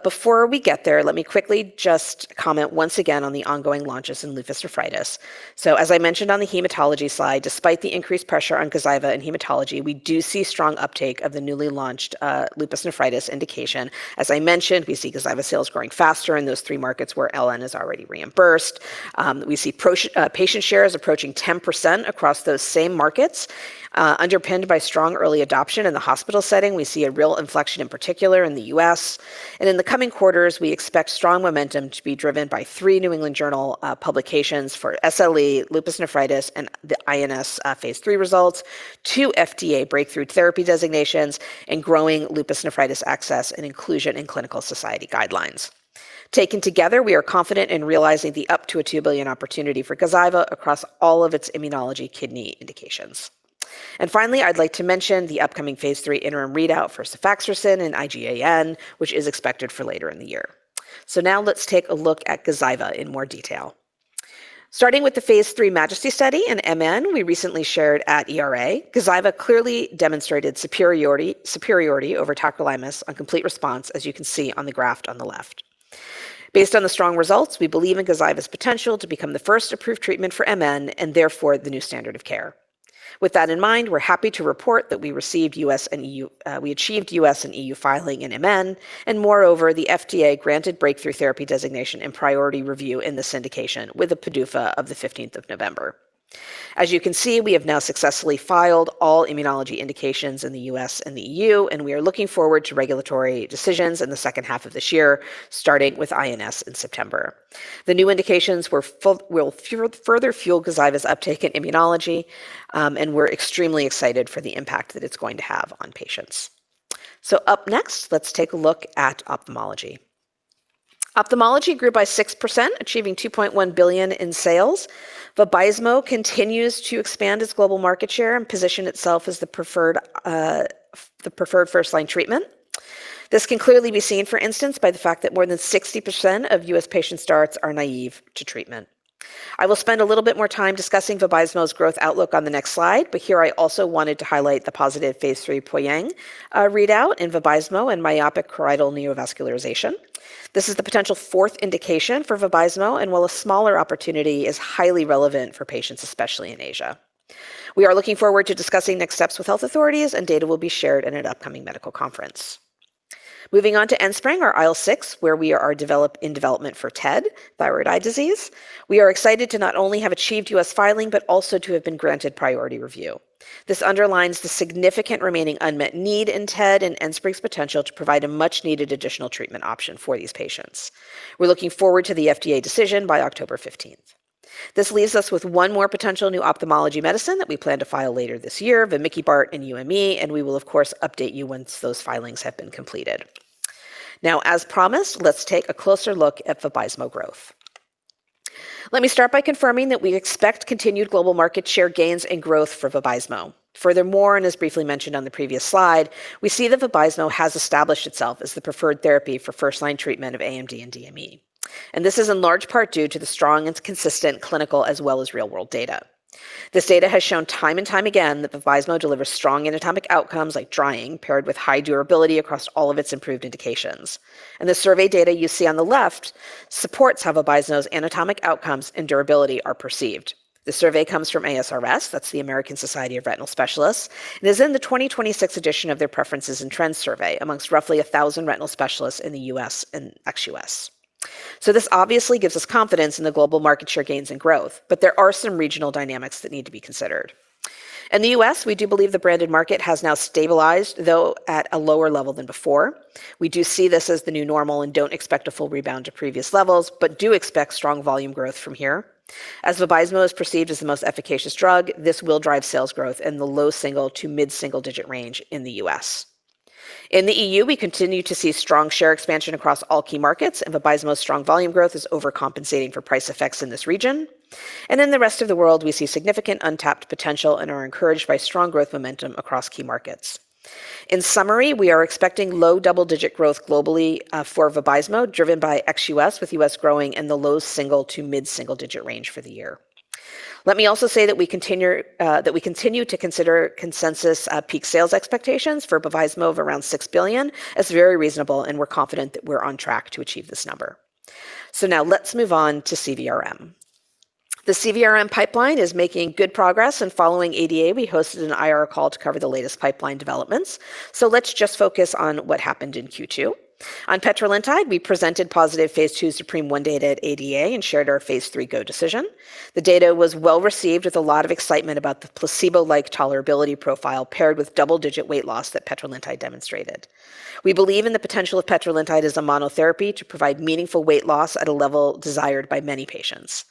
Before we get there, let me quickly just comment once again on the ongoing launches in lupus nephritis. As I mentioned on the hematology slide, despite the increased pressure on Gazyva in hematology, we do see strong uptake of the newly launched lupus nephritis indication. As I mentioned, we see Gazyva sales growing faster in those three markets where LN is already reimbursed. We see patient shares approaching 10% across those same markets. Underpinned by strong early adoption in the hospital setting, we see a real inflection, in particular in the U.S. In the coming quarters, we expect strong momentum to be driven by three New England Journal publications for SLE, lupus nephritis, and the INS phase III results, two FDA breakthrough therapy designations, and growing lupus nephritis access and inclusion in clinical society guidelines. Taken together, we are confident in realizing the up to a 2 billion opportunity for Gazyva across all of its immunology kidney indications. Finally, I'd like to mention the upcoming phase III interim readout for sefaxersen and IgAN, which is expected for later in the year. Now let's take a look at Gazyva in more detail. Starting with the phase III MAJESTY study in MN, we recently shared at ERA, Gazyva clearly demonstrated superiority over tacrolimus on complete response, as you can see on the graph on the left. Based on the strong results, we believe in Gazyva's potential to become the first approved treatment for MN and therefore the new standard of care. With that in mind, we're happy to report that we achieved U.S. and EU filing in MN. Moreover, the FDA granted breakthrough therapy designation and priority review in this indication with a PDUFA of the 15th of November. As you can see, we have now successfully filed all immunology indications in the U.S. and the EU. We are looking forward to regulatory decisions in the second half of this year, starting with INS in September. The new indications will further fuel Gazyva's uptake in immunology. We're extremely excited for the impact that it's going to have on patients. Up next, let's take a look at ophthalmology. Ophthalmology grew by 6%, achieving 2.1 billion in sales. Vabysmo continues to expand its global market share and position itself as the preferred first-line treatment. This can clearly be seen, for instance, by the fact that more than 60% of U.S. patient starts are naive to treatment. I will spend a little bit more time discussing Vabysmo's growth outlook on the next slide. Here I also wanted to highlight the positive phase III POYANG readout in Vabysmo in myopic choroidal neovascularization. This is the potential fourth indication for Vabysmo. While a smaller opportunity, is highly relevant for patients, especially in Asia. We are looking forward to discussing next steps with health authorities. Data will be shared in an upcoming medical conference. Moving on to ENSPRYNG, our IL-6, where we are in development for TED, thyroid eye disease. We are excited to not only have achieved U.S. filing, also to have been granted priority review. This underlines the significant remaining unmet need in TED and ENSPRYNG's potential to provide a much-needed additional treatment option for these patients. We're looking forward to the FDA decision by October 15th. This leaves us with one more potential new ophthalmology medicine that we plan to file later this year, vamikibart and UME. We will, of course, update you once those filings have been completed. Now, as promised, let's take a closer look at Vabysmo growth. Let me start by confirming that we expect continued global market share gains and growth for Vabysmo. Furthermore, as briefly mentioned on the previous slide, we see that Vabysmo has established itself as the preferred therapy for first-line treatment of AMD and DME. This is in large part due to the strong and consistent clinical as well as real-world data. This data has shown time and time again that Vabysmo delivers strong anatomic outcomes like drying, paired with high durability across all of its improved indications. The survey data you see on the left supports how Vabysmo's anatomic outcomes and durability are perceived. The survey comes from ASRS, that's the American Society of Retina Specialists, and is in the 2026 edition of their preferences and trends survey amongst roughly 1,000 retinal specialists in the U.S. and ex-U.S. This obviously gives us confidence in the global market share gains and growth, but there are some regional dynamics that need to be considered. In the U.S., we do believe the branded market has now stabilized, though at a lower level than before. We do see this as the new normal and don't expect a full rebound to previous levels, but do expect strong volume growth from here. As Vabysmo is perceived as the most efficacious drug, this will drive sales growth in the low double-digit to mid-double-digit range in the U.S. In the EU, we continue to see strong share expansion across all key markets, Vabysmo's strong volume growth is overcompensating for price effects in this region. In the rest of the world, we see significant untapped potential and are encouraged by strong growth momentum across key markets. In summary, we are expecting low double-digit growth globally for Vabysmo, driven by ex-U.S., with U.S. growing in the low single-digit to mid-single-digit range for the year. Let me also say that we continue to consider consensus peak sales expectations for Vabysmo of around $6 billion as very reasonable, and we're confident that we're on track to achieve this number. Now let's move on to CVRM. The CVRM pipeline is making good progress, following ADA, we hosted an IR call to cover the latest pipeline developments. Let's just focus on what happened in Q2. On petrelintide, we presented positive phase II ZUPREME-1 data at ADA and shared our phase III go decision. The data was well-received with a lot of excitement about the placebo-like tolerability profile paired with double-digit weight loss that petrelintide demonstrated. We believe in the potential of petrelintide as a monotherapy to provide meaningful weight loss at a level desired by many patients.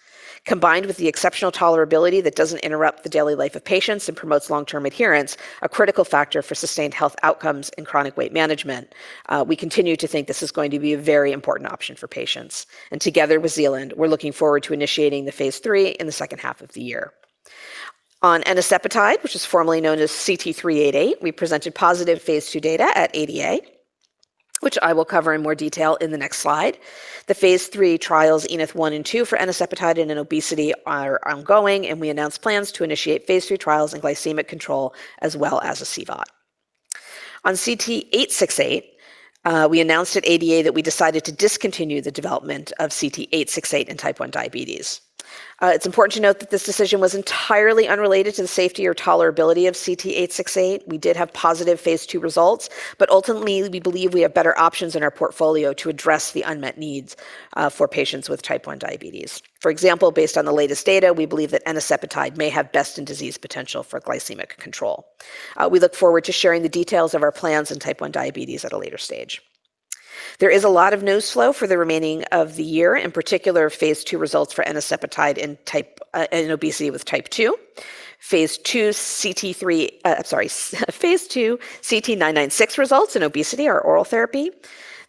Combined with the exceptional tolerability that doesn't interrupt the daily life of patients and promotes long-term adherence, a critical factor for sustained health outcomes and chronic weight management, we continue to think this is going to be a very important option for patients. Together with Zealand, we're looking forward to initiating the phase III in the second half of the year. On enicepatide, which was formerly known as CT-388, we presented positive phase II data at ADA, which I will cover in more detail in the next slide. The phase III trials ENITH 1 and 2 for enicepatide and in obesity are ongoing, we announced plans to initiate phase III trials in glycemic control as well as a CVOT. On CT-868, we announced at ADA that we decided to discontinue the development of CT-868 in type 1 diabetes. It's important to note that this decision was entirely unrelated to the safety or tolerability of CT-868. We did have positive phase II results, ultimately, we believe we have better options in our portfolio to address the unmet needs for patients with type 1 diabetes. For example, based on the latest data, we believe that enicepatide may have best-in-disease potential for glycemic control. We look forward to sharing the details of our plans in type 1 diabetes at a later stage. There is a lot of news flow for the remainder of the year, in particular phase II results for enicepatide in obesity with type 2. Phase II CT-996 results in obesity, our oral therapy.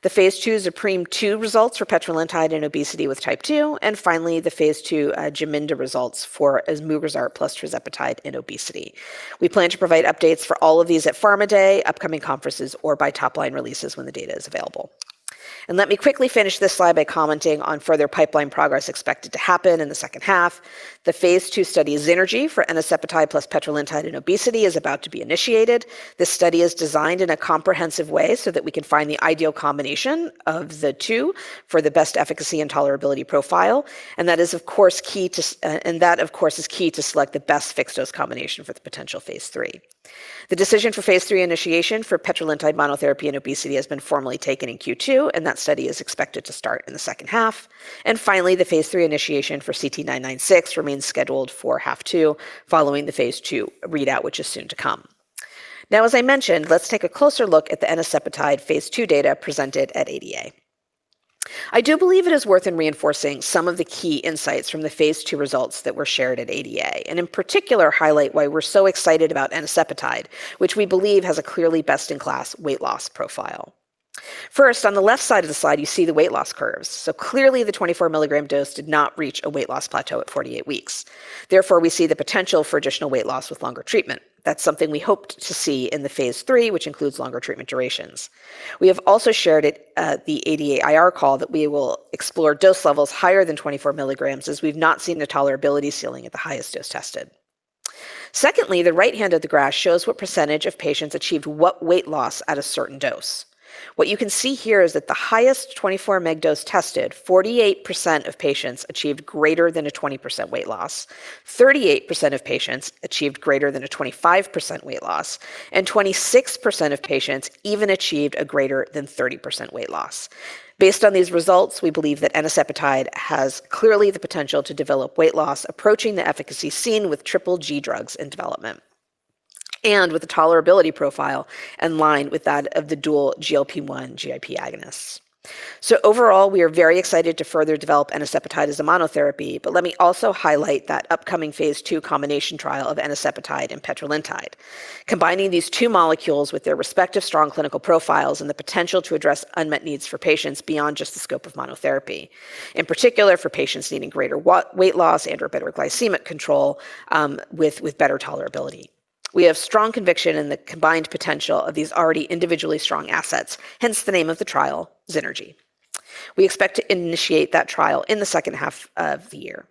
The phase II ZUPREME-2 results for petrelintide in obesity with type 2, and finally, the phase II Gimonda results for asmurozart plus tirzepatide in obesity. We plan to provide updates for all of these at Pharma Day, upcoming conferences, or by top-line releases when the data is available. Let me quickly finish this slide by commenting on further pipeline progress expected to happen in the second half. The phase II study eNRGy for enicepatide plus petrelintide in obesity is about to be initiated. This study is designed in a comprehensive way so that we can find the ideal combination of the two for the best efficacy and tolerability profile, and that of course, is key to select the best fixed-dose combination for the potential phase III. The decision for phase III initiation for petrelintide monotherapy in obesity has been formally taken in Q2, and that study is expected to start in the second half. And finally, the phase III initiation for CT-996 remains scheduled for half two following the phase II readout, which is soon to come. As I mentioned, let's take a closer look at the enicepatide phase II data presented at ADA. I do believe it is worth reinforcing some of the key insights from the phase II results that were shared at ADA, and in particular highlight why we're so excited about enicepatide, which we believe has a clearly best-in-class weight loss profile. On the left side of the slide, you see the weight loss curves. Clearly the 24 mg dose did not reach a weight loss plateau at 48 weeks. Therefore, we see the potential for additional weight loss with longer treatment. That's something we hoped to see in the phase III, which includes longer treatment durations. We have also shared at the ADA IR call that we will explore dose levels higher than 24 mg, as we've not seen the tolerability ceiling at the highest dose tested. The right-hand of the graph shows what percentage of patients achieved what weight loss at a certain dose. What you can see here is that the highest 24 mg dose tested, 48% of patients achieved greater than a 20% weight loss, 38% of patients achieved greater than a 25% weight loss, and 26% of patients even achieved a greater than 30% weight loss. Based on these results, we believe that enicepatide has clearly the potential to develop weight loss approaching the efficacy seen with triple G drugs in development, and with the tolerability profile in line with that of the dual GLP-1/GIP agonists. Overall, we are very excited to further develop enicepatide as a monotherapy, but let me also highlight that upcoming phase II combination trial of enicepatide and petrelintide. Combining these two molecules with their respective strong clinical profiles and the potential to address unmet needs for patients beyond just the scope of monotherapy, in particular for patients needing greater weight loss and/or better glycemic control, with better tolerability. We have strong conviction in the combined potential of these already individually strong assets, hence the name of the trial, Zenergy. We expect to initiate that trial in the second half of the year.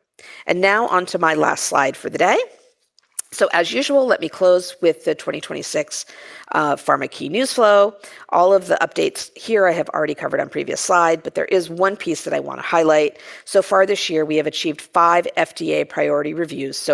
On to my last slide for the day. As usual, let me close with the 2026 Pharma key news flow. All of the updates here I have already covered on previous slide, but there is one piece that I want to highlight. So far this year, we have achieved five FDA priority reviews,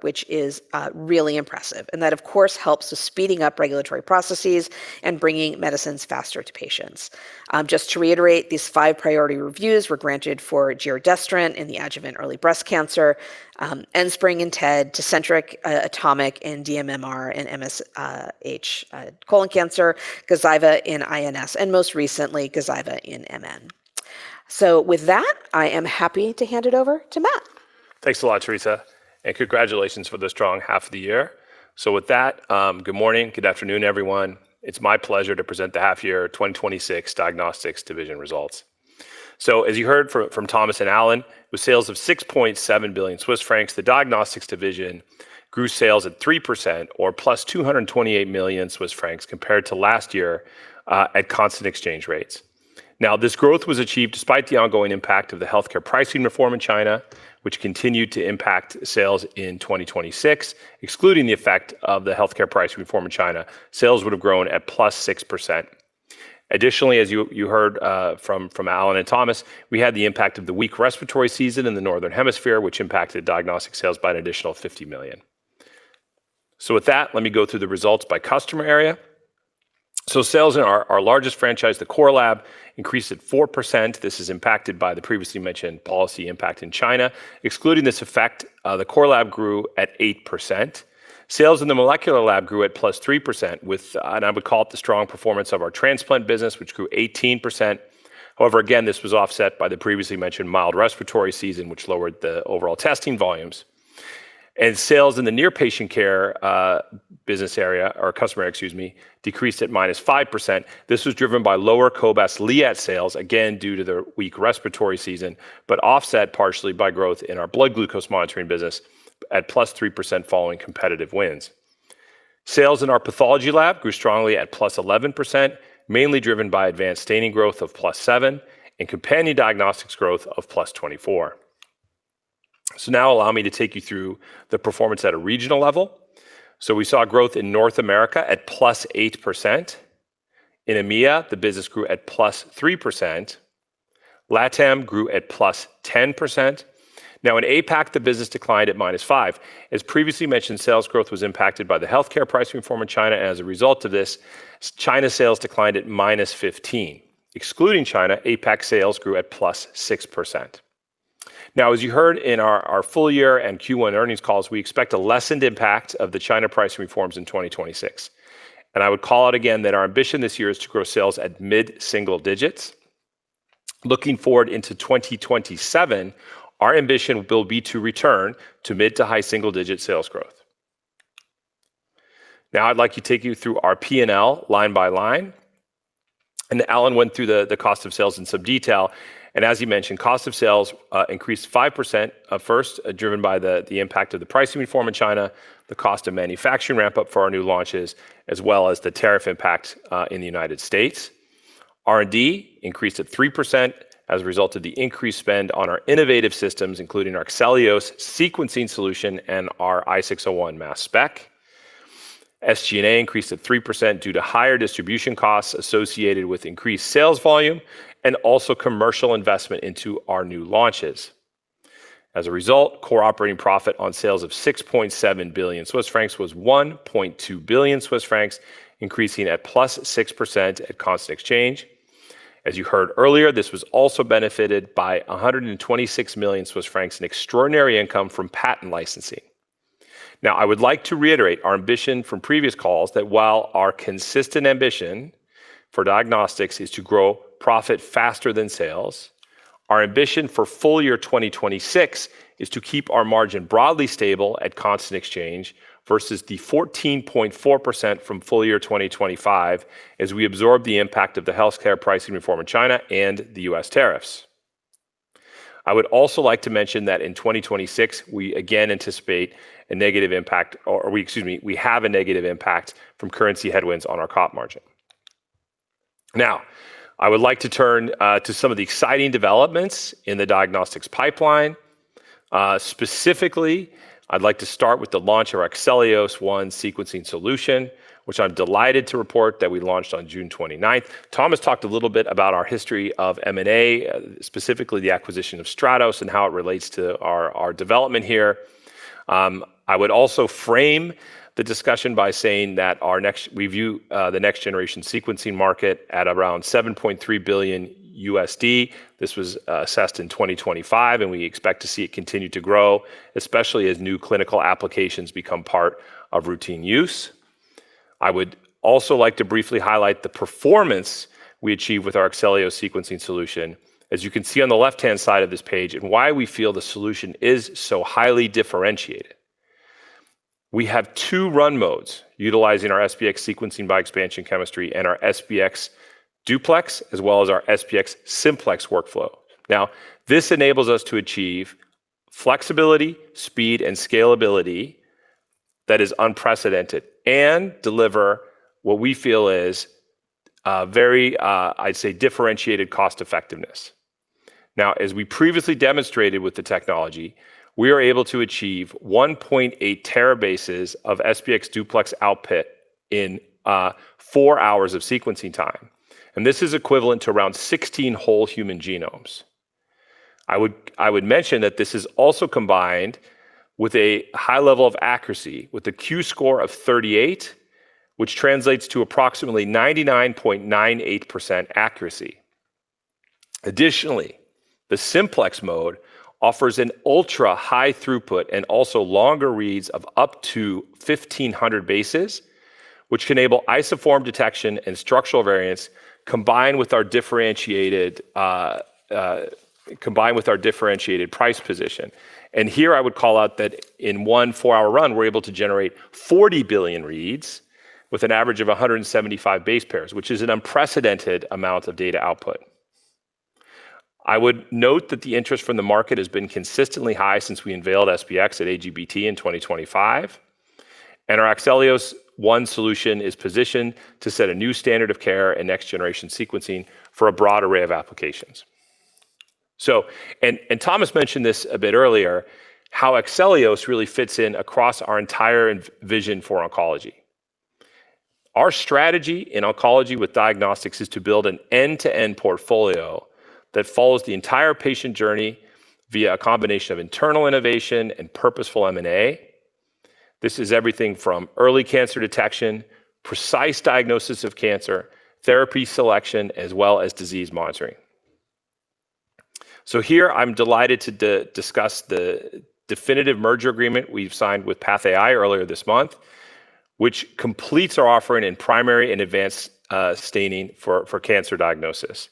which is really impressive, and that of course helps with speeding up regulatory processes and bringing medicines faster to patients. To reiterate, these five priority reviews were granted for giredestrant in the adjuvant early breast cancer, ENSPRYNG in TED, Tecentriq, ATOMIC in dMMR and MSI-H colon cancer, Gazyva in INS, and most recently, Gazyva in MN. With that, I am happy to hand it over to Matt.
Thanks a lot, Teresa, and congratulations for the strong half of the year. With that, good morning, good afternoon, everyone. It's my pleasure to present the half year 2026 Diagnostics Division results. As you heard from Thomas and Alan, with sales of 6.7 billion Swiss francs, the Diagnostics Division grew sales at 3% or +228 million Swiss francs compared to last year at constant exchange rates. This growth was achieved despite the ongoing impact of the healthcare pricing reform in China, which continued to impact sales in 2026. Excluding the effect of the healthcare price reform in China, sales would have grown at +6%. Additionally, as you heard from Alan and Thomas, we had the impact of the weak respiratory season in the Northern Hemisphere, which impacted diagnostic sales by an additional 50 million. With that, let me go through the results by customer area. Sales in our largest franchise, the Core Lab, increased at 4%. This is impacted by the previously mentioned policy impact in China. Excluding this effect, the Core Lab grew at 8%. Sales in the Molecular Lab grew at +3% with, and I would call it the strong performance of our transplant business, which grew 18%. However, again, this was offset by the previously mentioned mild respiratory season, which lowered the overall testing volumes. Sales in the Near Patient Care business area or customer, excuse me, decreased at -5%. This was driven by lower cobas Liat sales, again due to the weak respiratory season, but offset partially by growth in our blood glucose monitoring business at +3% following competitive wins. Sales in our pathology lab grew strongly at +11%, mainly driven by advanced staining growth of +7% and companion diagnostics growth of +24%. Allow me to take you through the performance at a regional level. We saw growth in North America at +8%. In EMEA, the business grew at +3%. LATAM grew at +10%. In APAC, the business declined at -5%. As previously mentioned, sales growth was impacted by the healthcare pricing reform in China, and as a result of this, China sales declined at -15%. Excluding China, APAC sales grew at +6%. As you heard in our full year and Q1 earnings calls, we expect a lessened impact of the China price reforms in 2026. I would call out again that our ambition this year is to grow sales at mid-single digits. Looking forward into 2027, our ambition will be to return to mid to high single-digit sales growth. I'd like to take you through our P&L line by line. Alan went through the cost of sales in some detail, and as he mentioned, cost of sales increased 5% at first, driven by the impact of the pricing reform in China, the cost of manufacturing ramp-up for our new launches, as well as the tariff impact in the U.S. R&D increased at 3% as a result of the increased spend on our innovative systems, including our AXELIOS sequencing solution and our i601 mass spec. SG&A increased at 3% due to higher distribution costs associated with increased sales volume and also commercial investment into our new launches. As a result, core operating profit on sales of 6.7 billion Swiss francs was 1.2 billion Swiss francs, increasing at +6% at constant exchange. As you heard earlier, this was also benefited by 126 million Swiss francs in extraordinary income from patent licensing. I would like to reiterate our ambition from previous calls that while our consistent ambition for diagnostics is to grow profit faster than sales, our ambition for full year 2026 is to keep our margin broadly stable at constant exchange versus the 14.4% from full year 2025 as we absorb the impact of the healthcare pricing reform in China and the U.S. tariffs. I would also like to mention that in 2026, we again anticipate a negative impact, or excuse me, we have a negative impact from currency headwinds on our COP margin. I would like to turn to some of the exciting developments in the diagnostics pipeline. Specifically, I'd like to start with the launch of our AXELIOS 1 sequencing solution, which I'm delighted to report that we launched on June 29th. Thomas talked a little bit about our history of M&A, specifically the acquisition of Stratos and how it relates to our development here. I would also frame the discussion by saying that we view the next-generation sequencing market at around $7.3 billion. This was assessed in 2025, and we expect to see it continue to grow, especially as new clinical applications become part of routine use. I would also like to briefly highlight the performance we achieved with our AXELIOS sequencing solution, as you can see on the left-hand side of this page, and why we feel the solution is so highly differentiated. We have two run modes utilizing our SBX sequencing by expansion chemistry and our SBX-duplex, as well as our SBX-simplex workflow. This enables us to achieve flexibility, speed, and scalability that is unprecedented and deliver what we feel is very, I'd say, differentiated cost-effectiveness. As we previously demonstrated with the technology, we are able to achieve 1.8 terabases of SBX-duplex output in four hours of sequencing time, and this is equivalent to around 16 whole human genomes. I would mention that this is also combined with a high level of accuracy with a Q score of 38, which translates to approximately 99.98% accuracy. Additionally, the simplex mode offers an ultra-high throughput and also longer reads of up to 1,500 bases, which enable isoform detection and structural variants combined with our differentiated price position. Here I would call out that in one four-hour run, we're able to generate 40 billion reads with an average of 175 base pairs, which is an unprecedented amount of data output. I would note that the interest from the market has been consistently high since we unveiled SBX at AGBT in 2025, and our AXELIOS 1 solution is positioned to set a new standard of care in next-generation sequencing for a broad array of applications. Thomas mentioned this a bit earlier, how AXELIOS really fits in across our entire vision for oncology. Our strategy in oncology with diagnostics is to build an end-to-end portfolio that follows the entire patient journey via a combination of internal innovation and purposeful M&A. This is everything from early cancer detection, precise diagnosis of cancer, therapy selection, as well as disease monitoring. Here I'm delighted to discuss the definitive merger agreement we've signed with PathAI earlier this month, which completes our offering in primary and advanced staining for cancer diagnosis.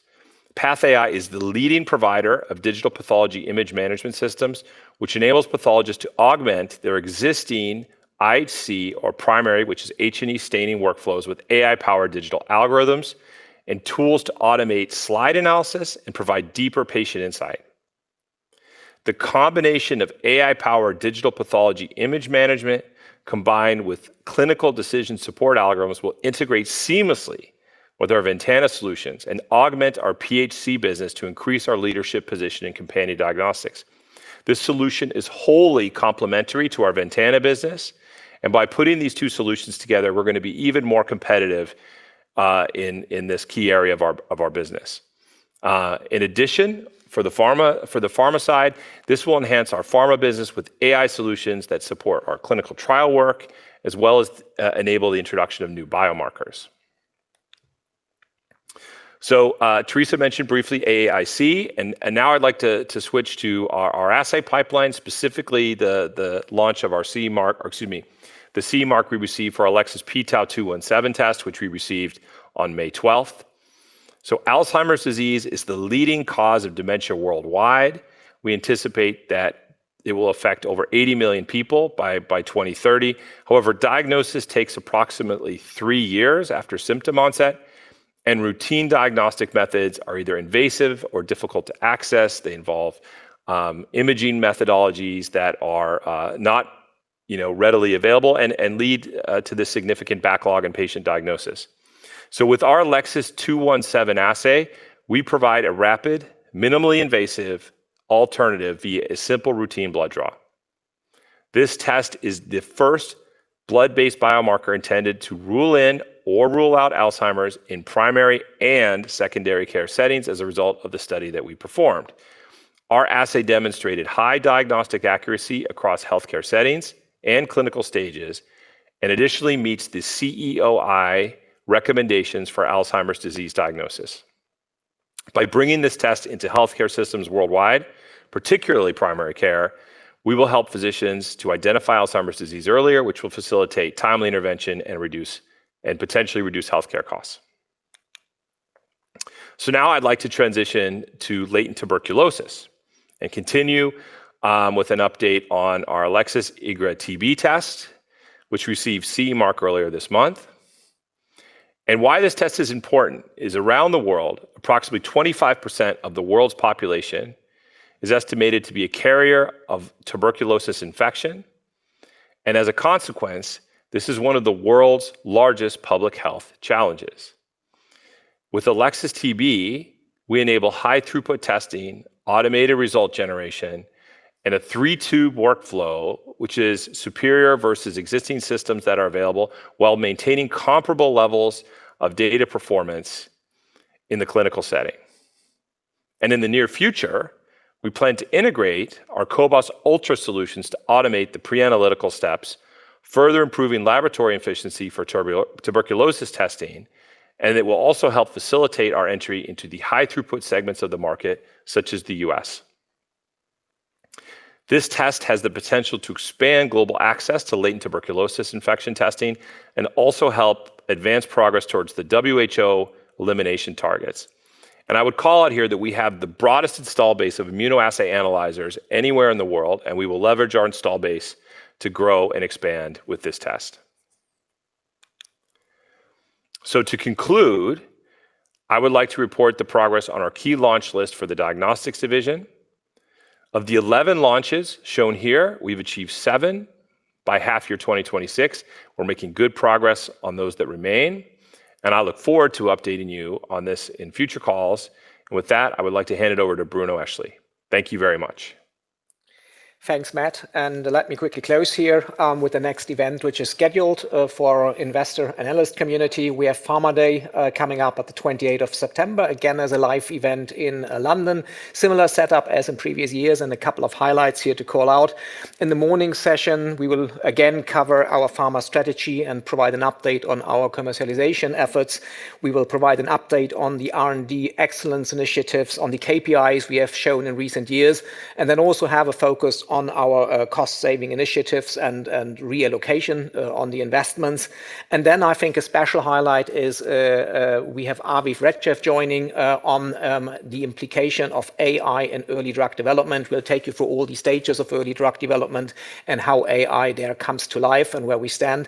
PathAI is the leading provider of digital pathology image management systems, which enables pathologists to augment their existing IHC or primary, which is H&E staining workflows with AI-powered digital algorithms and tools to automate slide analysis and provide deeper patient insight. The combination of AI-powered digital pathology image management combined with clinical decision support algorithms will integrate seamlessly with our VENTANA solutions and augment our PHC business to increase our leadership position in companion diagnostics. This solution is wholly complementary to our VENTANA business, and by putting these two solutions together, we're going to be even more competitive in this key area of our business. In addition, for the pharma side, this will enhance our pharma business with AI solutions that support our clinical trial work as well as enable the introduction of new biomarkers. Theresa mentioned briefly AAIC, and now I'd like to switch to our assay pipeline, specifically the launch of our CE Mark we received for our Elecsys pTau217 test, which we received on May 12th. Alzheimer's disease is the leading cause of dementia worldwide. We anticipate that it will affect over 80 million people by 2030. However, diagnosis takes approximately three years after symptom onset, and routine diagnostic methods are either invasive or difficult to access. They involve imaging methodologies that are not readily available and lead to this significant backlog in patient diagnosis. With our Elecsys 217 assay, we provide a rapid, minimally invasive alternative via a simple routine blood draw. This test is the first blood-based biomarker intended to rule in or rule out Alzheimer's in primary and secondary care settings as a result of the study that we performed. Our assay demonstrated high diagnostic accuracy across healthcare settings and clinical stages, additionally meets the CEOi recommendations for Alzheimer's disease diagnosis. By bringing this test into healthcare systems worldwide, particularly primary care, we will help physicians to identify Alzheimer's disease earlier, which will facilitate timely intervention and potentially reduce healthcare costs. Now I'd like to transition to latent tuberculosis and continue with an update on our Elecsys IGRA TB test, which received CE Mark earlier this month. Why this test is important is around the world, approximately 25% of the world's population is estimated to be a carrier of tuberculosis infection. As a consequence, this is one of the world's largest public health challenges. With Elecsys TB, we enable high throughput testing, automated result generation, a three-tube workflow, which is superior versus existing systems that are available while maintaining comparable levels of data performance in the clinical setting. In the near future, we plan to integrate our cobas ultra solutions to automate the pre-analytical steps, further improving laboratory efficiency for tuberculosis testing, it will also help facilitate our entry into the high throughput segments of the market, such as the U.S. This test has the potential to expand global access to latent tuberculosis infection testing and also help advance progress towards the WHO elimination targets. I would call out here that we have the broadest install base of immunoassay analyzers anywhere in the world, we will leverage our install base to grow and expand with this test. To conclude, I would like to report the progress on our key launch list for the diagnostics division. Of the 11 launches shown here, we've achieved seven by half year 2026. We're making good progress on those that remain, I look forward to updating you on this in future calls. With that, I would like to hand it over to Bruno, actually. Thank you very much.
Thanks, Matt, let me quickly close here with the next event, which is scheduled for our investor analyst community. We have Pharma Day coming up at the 28th of September, again, as a live event in London. Similar setup as in previous years, a couple of highlights here to call out. In the morning session, we will again cover our pharma strategy and provide an update on our commercialization efforts. We will provide an update on the R&D excellence initiatives on the KPIs we have shown in recent years. Also have a focus on our cost-saving initiatives and relocation on the investments. I think a special highlight is we have Aviv Regev joining on the implication of AI in early drug development. We'll take you through all the stages of early drug development and how AI there comes to life and where we stand.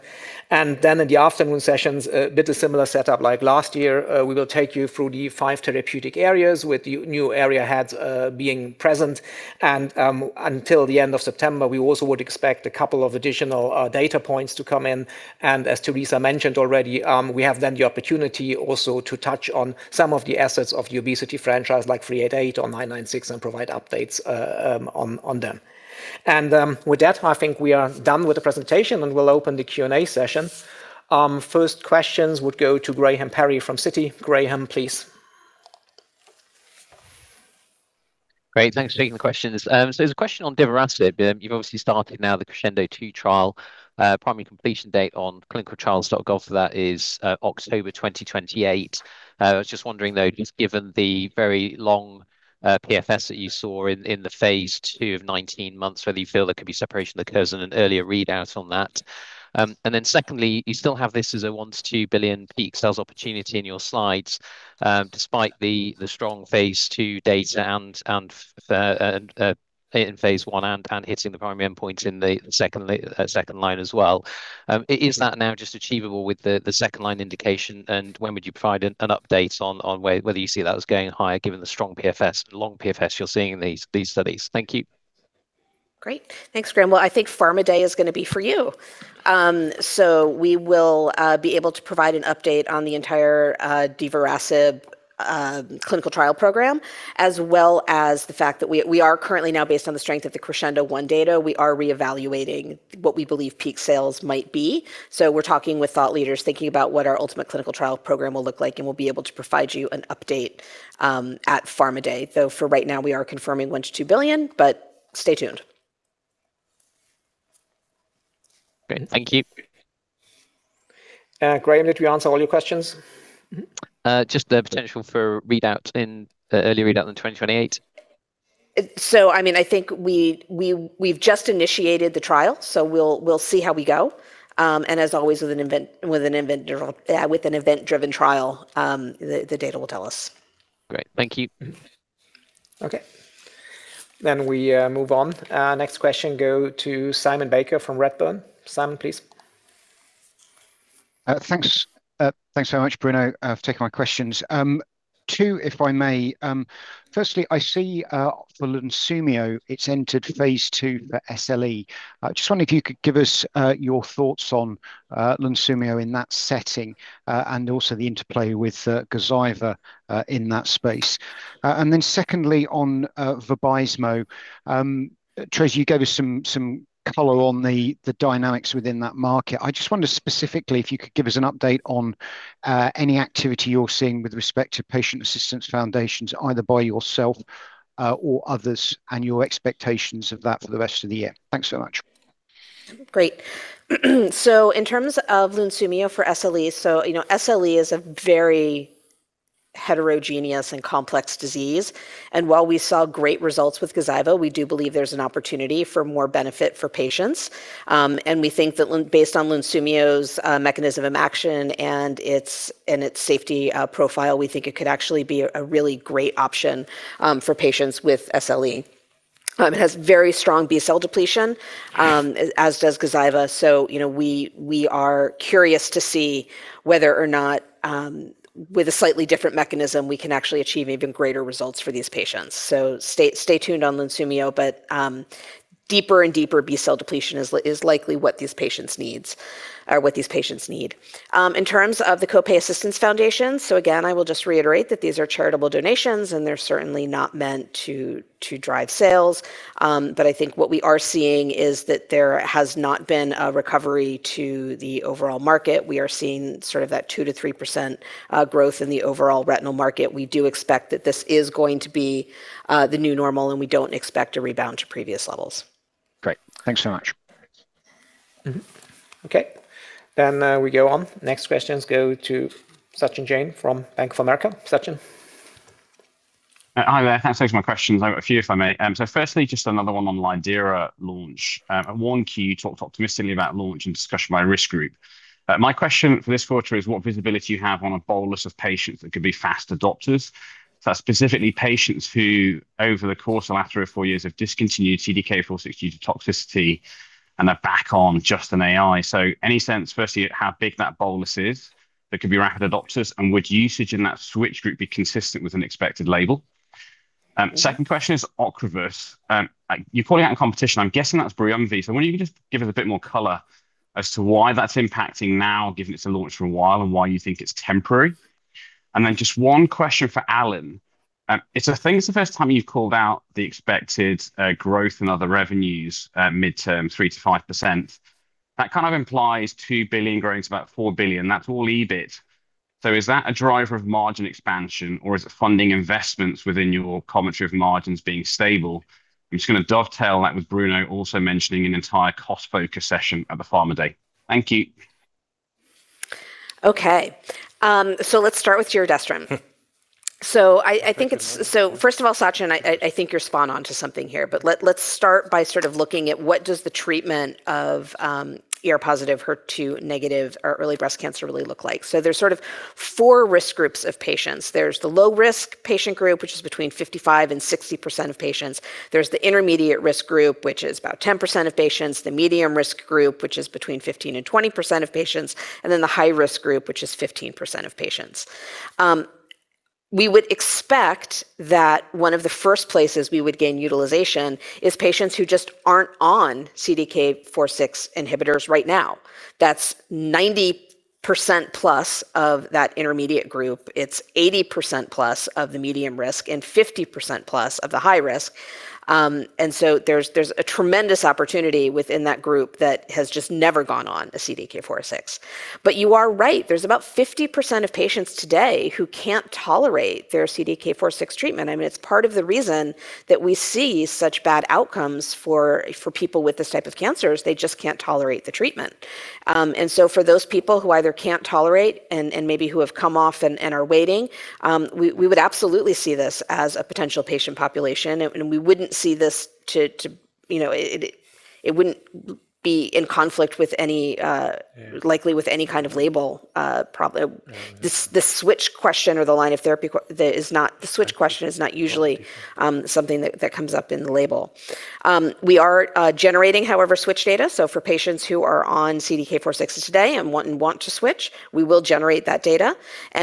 In the afternoon sessions, a bit of similar setup like last year, we will take you through the five therapeutic areas with new area heads being present. Until the end of September, we also would expect a couple of additional data points to come in. As Teresa mentioned already, we have then the opportunity also to touch on some of the assets of the obesity franchise, like CT-388 or CT-996, and provide updates on them. With that, I think we are done with the presentation, and we'll open the Q&A session. First questions would go to Graham Parry from Citi. Graham, please.
Great. Thanks for taking the questions. There's a question on divarasib. You've obviously started now the Krascendo 2 trial. Primary completion date on clinicaltrials.gov for that is October 2028. I was just wondering, though, just given the very long PFS that you saw in the phase II of 19 months, whether you feel there could be separation that occurs in an earlier readout on that. Secondly, you still have this as a 1 billion-2 billion peak sales opportunity in your slides, despite the strong phase II data and in phase I and hitting the primary endpoint in the second-line as well. Is that now just achievable with the second-line indication, when would you provide an update on whether you see that as going higher given the strong PFS, long PFS you're seeing in these studies? Thank you.
Great. Thanks, Graham. Well, I think Pharma Day is going to be for you. We will be able to provide an update on the entire divarasib clinical trial program, as well as the fact that we are currently now based on the strength of the Krascendo 1 data, we are reevaluating what we believe peak sales might be. We're talking with thought leaders, thinking about what our ultimate clinical trial program will look like, we'll be able to provide you an update at Pharma Day. Though for right now, we are confirming 1 billion-2 billion, stay tuned.
Great. Thank you.
Graham, did we answer all your questions?
Just the potential for early readout in 2028.
I think we've just initiated the trial, so we'll see how we go. As always with an event-driven trial, the data will tell us.
Great. Thank you.
Okay. We move on. Next question go to Simon Baker from Redburn. Simon, please.
Thanks so much, Bruno, for taking my questions. Two, if I may. Firstly, I see for Lunsumio, it's entered phase II for SLE. Just wondering if you could give us your thoughts on Lunsumio in that setting, and also the interplay with Gazyva in that space. Secondly, on Vabysmo, Teresa, you gave us some color on the dynamics within that market. I just wonder specifically if you could give us an update on any activity you're seeing with respect to patient assistance foundations, either by yourself or others, and your expectations of that for the rest of the year. Thanks so much.
Great. In terms of Lunsumio for SLE is a very heterogeneous and complex disease, and while we saw great results with Gazyva, we do believe there's an opportunity for more benefit for patients. We think that based on Lunsumio's mechanism of action and its safety profile, we think it could actually be a really great option for patients with SLE. It has very strong B-cell depletion, as does Gazyva. We are curious to see whether or not, with a slightly different mechanism, we can actually achieve even greater results for these patients. Stay tuned on Lunsumio, but deeper and deeper B-cell depletion is likely what these patients need. In terms of the copay assistance foundations, again, I will just reiterate that these are charitable donations, and they're certainly not meant to drive sales. I think what we are seeing is that there has not been a recovery to the overall market. We are seeing sort of that 2%-3% growth in the overall retinal market. We do expect that this is going to be the new normal, and we don't expect a rebound to previous levels.
Great. Thanks so much.
Okay. We go on. Next questions go to Sachin Jain from Bank of America. Sachin?
Hi there. Thanks for taking my questions. I've got a few if I may. Firstly, just another one on lidERA launch. At 1Q, you talked optimistically about launch in discussion by risk group. My question for this quarter is what visibility you have on a bolus of patients that could be fast adopters. That's specifically patients who, over the course of the last three or four years, have discontinued CDK4/6 due to toxicity and are back on just an AI. Any sense, firstly, how big that bolus is that could be rapid adopters, and would usage in that switch group be consistent with an expected label? Second question is OCREVUS. You're calling out competition. I'm guessing that's Briumvi. Wonder if you could just give us a bit more color as to why that's impacting now, given it's a launch from a while and why you think it's temporary. Just one question for Alan. I think it's the first time you've called out the expected growth in other revenues, midterm 3%-5%. That kind of implies 2 billion growing to about 4 billion. That's all EBIT. Is that a driver of margin expansion, or is it funding investments within your commentary of margins being stable? I'm just going to dovetail that with Bruno also mentioning an entire cost-focused session at the Pharma Day. Thank you.
Okay. Let's start with giredestrant. First of all, Sachin, I think you are spot on to something here, let's start by sort of looking at what does the treatment of ER-positive, HER2-negative early breast cancer really look like. There is sort of four risk groups of patients. There is the low-risk patient group, which is between 55% and 60% of patients. There is the intermediate-risk group, which is about 10% of patients, the medium-risk group, which is between 15% and 20% of patients, the high-risk group, which is 15% of patients. We would expect that one of the first places we would gain utilization is patients who just are not on CDK4/6 inhibitors right now. That is 90%-plus of that intermediate group. It is 80%-plus of the medium risk and 50%+ of the high risk. There is a tremendous opportunity within that group that has just never gone on a CDK4/6. You are right, there is about 50% of patients today who can not tolerate their CDK4/6 treatment. It is part of the reason that we see such bad outcomes for people with this type of cancer, is they just can not tolerate the treatment. For those people who either can not tolerate and maybe who have come off and are waiting, we would absolutely see this as a potential patient population, and we would not see this to. It would not be in conflict likely with any kind of label, probably. The switch question is not usually something that comes up in the label. We are generating, however, switch data. For patients who are on CDK4/6s today and want to switch, we will generate that data,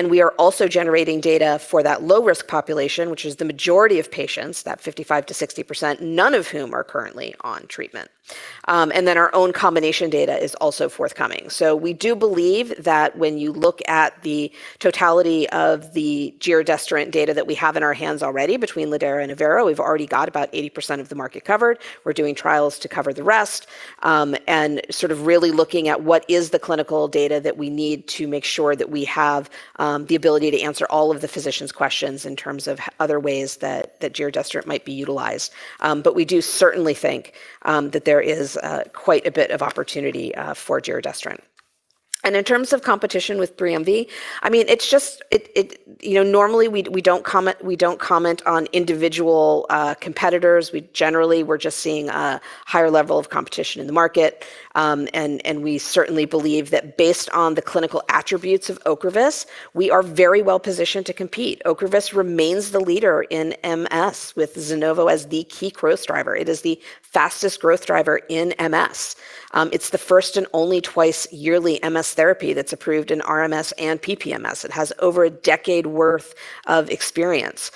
we are also generating data for that low-risk population, which is the majority of patients, that 55%-60%, none of whom are currently on treatment. Our own combination data is also forthcoming. We do believe that when you look at the totality of the giredestrant data that we have in our hands already between lidERA and Avera, we have already got about 80% of the market covered. We are doing trials to cover the rest. Sort of really looking at what is the clinical data that we need to make sure that we have the ability to answer all of the physicians' questions in terms of other ways that giredestrant might be utilized. We do certainly think that there is quite a bit of opportunity for giredestrant. In terms of competition with Briumvi, normally we do not comment on individual competitors. Generally, we are just seeing a higher level of competition in the market, we certainly believe that based on the clinical attributes of OCREVUS, we are very well-positioned to compete. OCREVUS remains the leader in MS with OCREVUS ZUNOVO as the key growth driver. It is the fastest growth driver in MS. It is the first and only twice-yearly MS therapy that is approved in RMS and PPMS. It has over a decade worth of experience.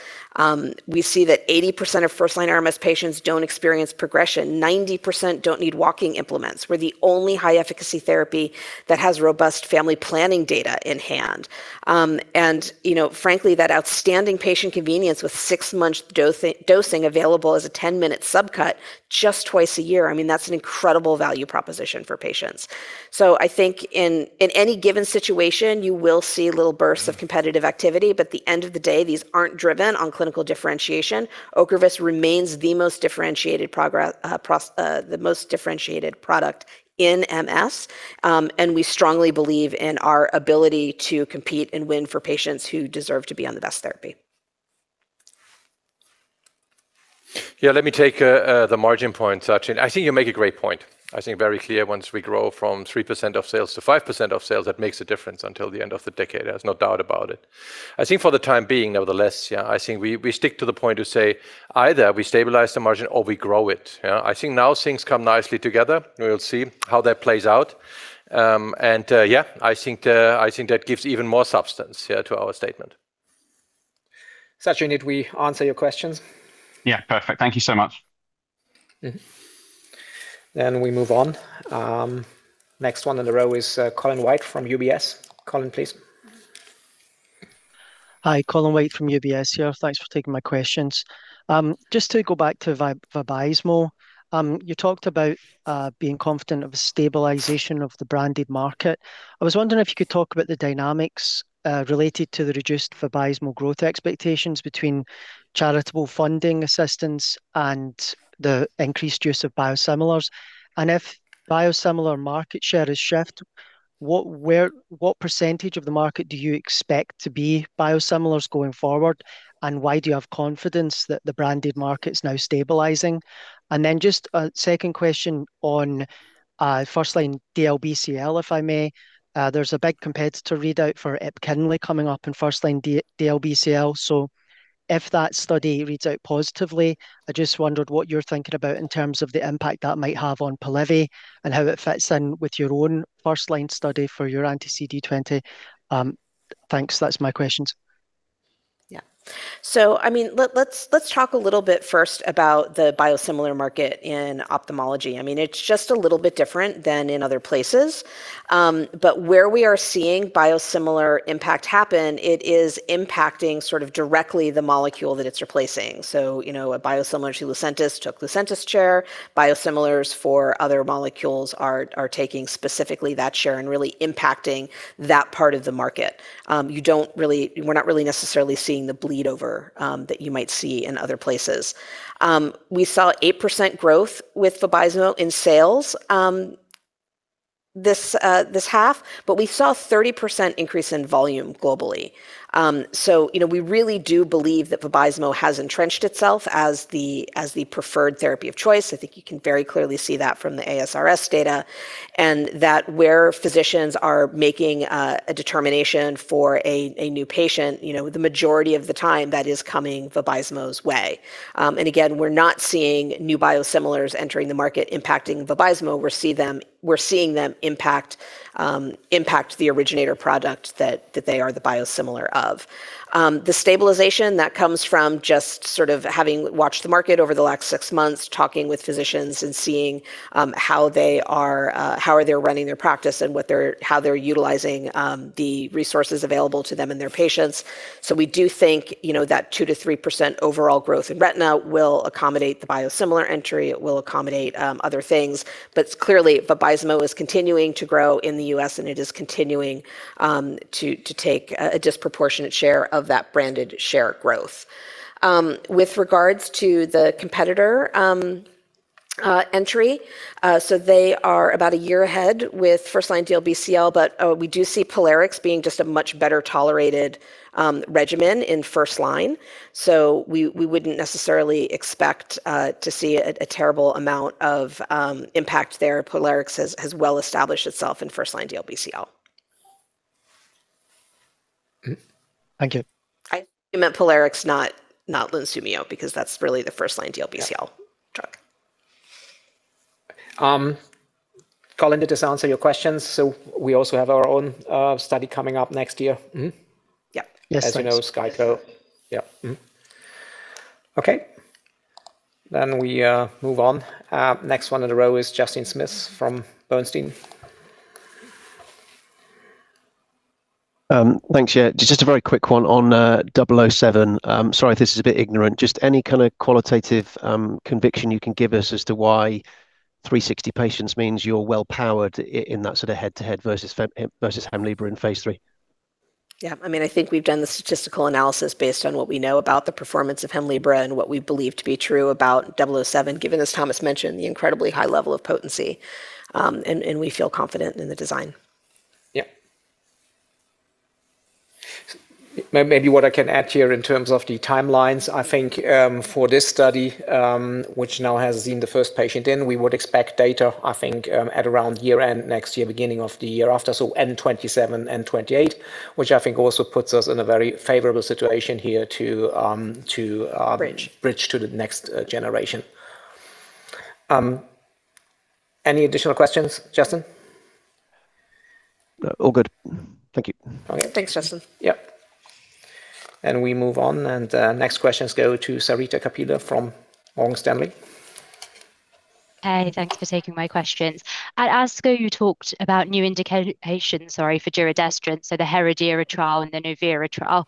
We see that 80% of first-line RMS patients do not experience progression. 90% do not need walking implements. We are the only high-efficacy therapy that has robust family planning data in hand. Frankly, that outstanding patient convenience with six-month dosing available as a 10-minute subcut just twice a year, that is an incredible value proposition for patients. In any given situation, you will see little bursts of competitive activity. At the end of the day, these aren't driven on clinical differentiation. Ocrevus remains the most differentiated product in MS. We strongly believe in our ability to compete and win for patients who deserve to be on the best therapy.
Yeah, let me take the margin point, Sachin. I think you make a great point. I think very clear, once we grow from 3% of sales to 5% of sales, that makes a difference until the end of the decade. There's no doubt about it. I think for the time being, nevertheless, yeah, I think we stick to the point to say either we stabilize the margin or we grow it. Yeah, I think now things come nicely together. We'll see how that plays out. I think that gives even more substance to our statement.
Sachin, did we answer your questions?
Yeah. Perfect. Thank you so much.
We move on. Next one in the row is Colin White from UBS. Colin, please.
Hi. Colin White from UBS here. Thanks for taking my questions. Just to go back to Vabysmo. You talked about being confident of a stabilization of the branded market. I was wondering if you could talk about the dynamics related to the reduced Vabysmo growth expectations between charitable funding assistance and the increased use of biosimilars. If biosimilar market share has shifted, what % of the market do you expect to be biosimilars going forward, and why do you have confidence that the branded market's now stabilizing? Just a second question on first-line DLBCL, if I may. There's a big competitor readout for EPKINLY coming up in first-line DLBCL. If that study reads out positively, I just wondered what you're thinking about in terms of the impact that might have on Polivy, and how it fits in with your own first-line study for your anti-CD20. Thanks. That's my questions.
Yeah. Let's talk a little bit first about the biosimilar market in ophthalmology. It's just a little bit different than in other places. But where we are seeing biosimilar impact happen, it is impacting sort of directly the molecule that it's replacing. A biosimilar to LUCENTIS took LUCENTIS' share. Biosimilars for other molecules are taking specifically that share and really impacting that part of the market. We're not really necessarily seeing the bleed over that you might see in other places. We saw 8% growth with Vabysmo in sales this half, but we saw 30% increase in volume globally. We really do believe that Vabysmo has entrenched itself as the preferred therapy of choice. I think you can very clearly see that from the ASRS data. That where physicians are making a determination for a new patient, the majority of the time, that is coming Vabysmo's way. Again, we're not seeing new biosimilars entering the market impacting Vabysmo. We're seeing them impact the originator product that they are the biosimilar of. The stabilization, that comes from just sort of having watched the market over the last six months, talking with physicians, and seeing how they're running their practice and how they're utilizing the resources available to them and their patients. We do think that 2%-3% overall growth in retina will accommodate the biosimilar entry. It will accommodate other things. Clearly, Vabysmo is continuing to grow in the U.S., and it is continuing to take a disproportionate share of that branded share growth. With regards to the competitor entry, they are about a year ahead with first-line DLBCL, we do see Polivy being just a much better-tolerated regimen in first-line. We wouldn't necessarily expect to see a terrible amount of impact there. Polivy has well established itself in first-line DLBCL.
Thank you.
I meant Polivy, not Lunsumio, that's really the first-line DLBCL drug.
Colin, did this answer your questions? We also have our own study coming up next year.
Yeah.
As you know, SKYKO. Yeah. Okay. We move on. Next one in a row is Justin Smith from Bernstein.
Thanks. Yeah, just a very quick one on 007. Sorry if this is a bit ignorant. Just any kind of qualitative conviction you can give us as to why 360 patients means you're well-powered in that sort of head-to-head versus HEMLIBRA in phase III?
Yeah, I think we've done the statistical analysis based on what we know about the performance of HEMLIBRA and what we believe to be true about 007, given, as Thomas mentioned, the incredibly high level of potency, and we feel confident in the design.
Yeah. Maybe what I can add here in terms of the timelines, I think for this study, which now has seen the first patient in, we would expect data, I think, at around year-end next year, beginning of the year after. 2027, 2028, which I think also puts us in a very favorable situation here.
Bridge
bridge to the next generation. Any additional questions, Justin?
All good. Thank you.
Okay, thanks, Justin.
We move on. Next questions go to Sarita Kapila from Morgan Stanley.
Hey, thanks for taking my questions. At ASCO, you talked about new indications for giredestrant, the HEREDIRA trial and the OLEVERA trial.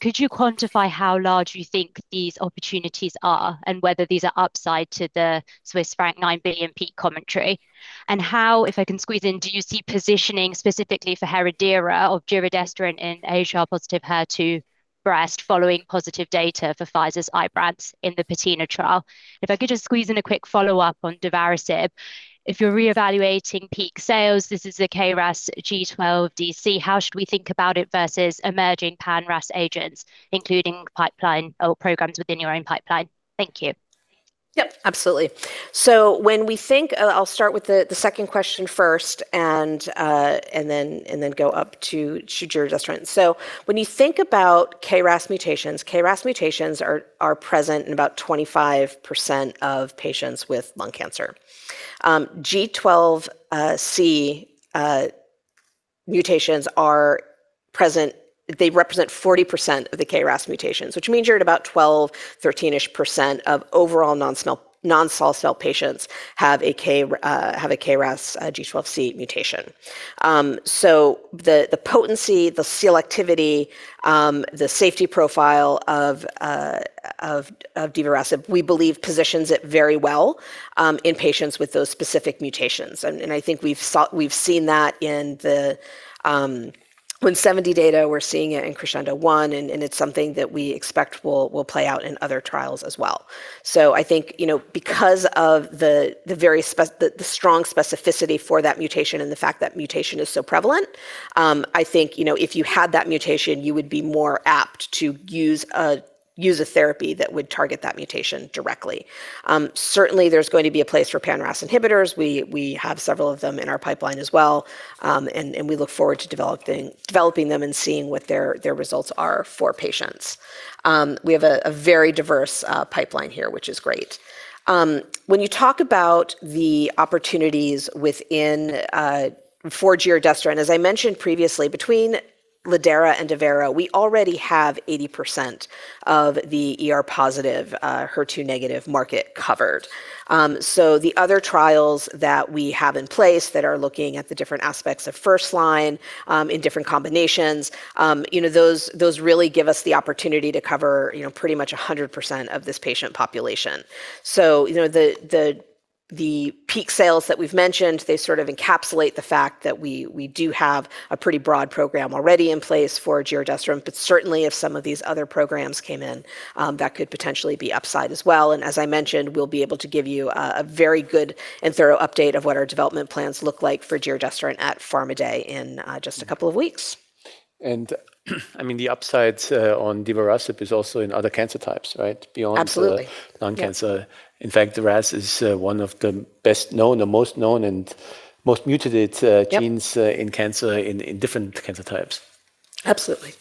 Could you quantify how large you think these opportunities are and whether these are upside to the Swiss franc 9 billion peak commentary? How, if I can squeeze in, do you see positioning specifically for HEREDIRA of giredestrant in ER-positive HER2 breast following positive data for Pfizer's IBRANCE in the PATINA trial? If I could just squeeze in a quick follow-up on divarasib. If you're reevaluating peak sales, this is a KRAS G12D, G12C, how should we think about it versus emerging pan-RAS agents, including pipeline or programs within your own pipeline? Thank you.
Yep, absolutely. I'll start with the second question first and then go up to giredestrant. When you think about KRAS mutations, KRAS mutations are present in about 25% of patients with lung cancer. G12C mutations represent 40% of the KRAS mutations, which means you're at about 12, 13-ish % of overall non-small cell patients have a KRAS G12C mutation. So the potency, the selectivity, the safety profile of divarasib, we believe positions it very well in patients with those specific mutations. I think we've seen that in the 170 data, we're seeing it in Krascendo 1, and it's something that we expect will play out in other trials as well. I think, because of the strong specificity for that mutation and the fact that mutation is so prevalent, I think, if you had that mutation, you would be more apt to use a therapy that would target that mutation directly. Certainly, there's going to be a place for pan-RAS inhibitors. We have several of them in our pipeline as well, and we look forward to developing them and seeing what their results are for patients. We have a very diverse pipeline here, which is great. When you talk about the opportunities for giredestrant, as I mentioned previously, between lidERA and DEVERA, we already have 80% of the ER-positive, HER2-negative market covered. The other trials that we have in place that are looking at the different aspects of first line in different combinations, those really give us the opportunity to cover pretty much 100% of this patient population. The peak sales that we've mentioned, they sort of encapsulate the fact that we do have a pretty broad program already in place for giredestrant, but certainly if some of these other programs came in, that could potentially be upside as well. As I mentioned, we'll be able to give you a very good and thorough update of what our development plans look like for giredestrant at Pharma Day in just a couple of weeks.
The upside on divarasib is also in other cancer types, right? Beyond
Absolutely
lung cancer. In fact, RAS is one of the best known, or most known and most mutated genes-
Yep
in different cancer types.
Absolutely.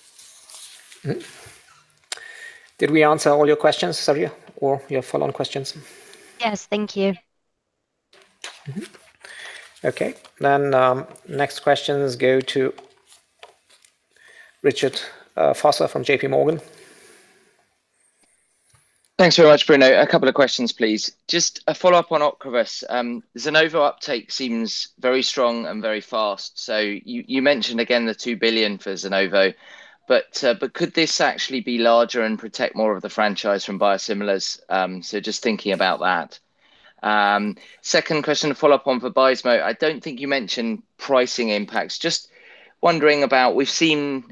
Did we answer all your questions, Sarita, or your follow-on questions?
Yes. Thank you.
Okay. Next questions go to Richard Vosser from JPMorgan.
Thanks very much, Bruno. A couple of questions, please. Just a follow-up on OCREVUS. ZUNOVO uptake seems very strong and very fast. You mentioned again the 2 billion for ZUNOVO, could this actually be larger and protect more of the franchise from biosimilars? Just thinking about that. Second question, a follow-up on Vabysmo. I don't think you mentioned pricing impacts. Just wondering about, we've seen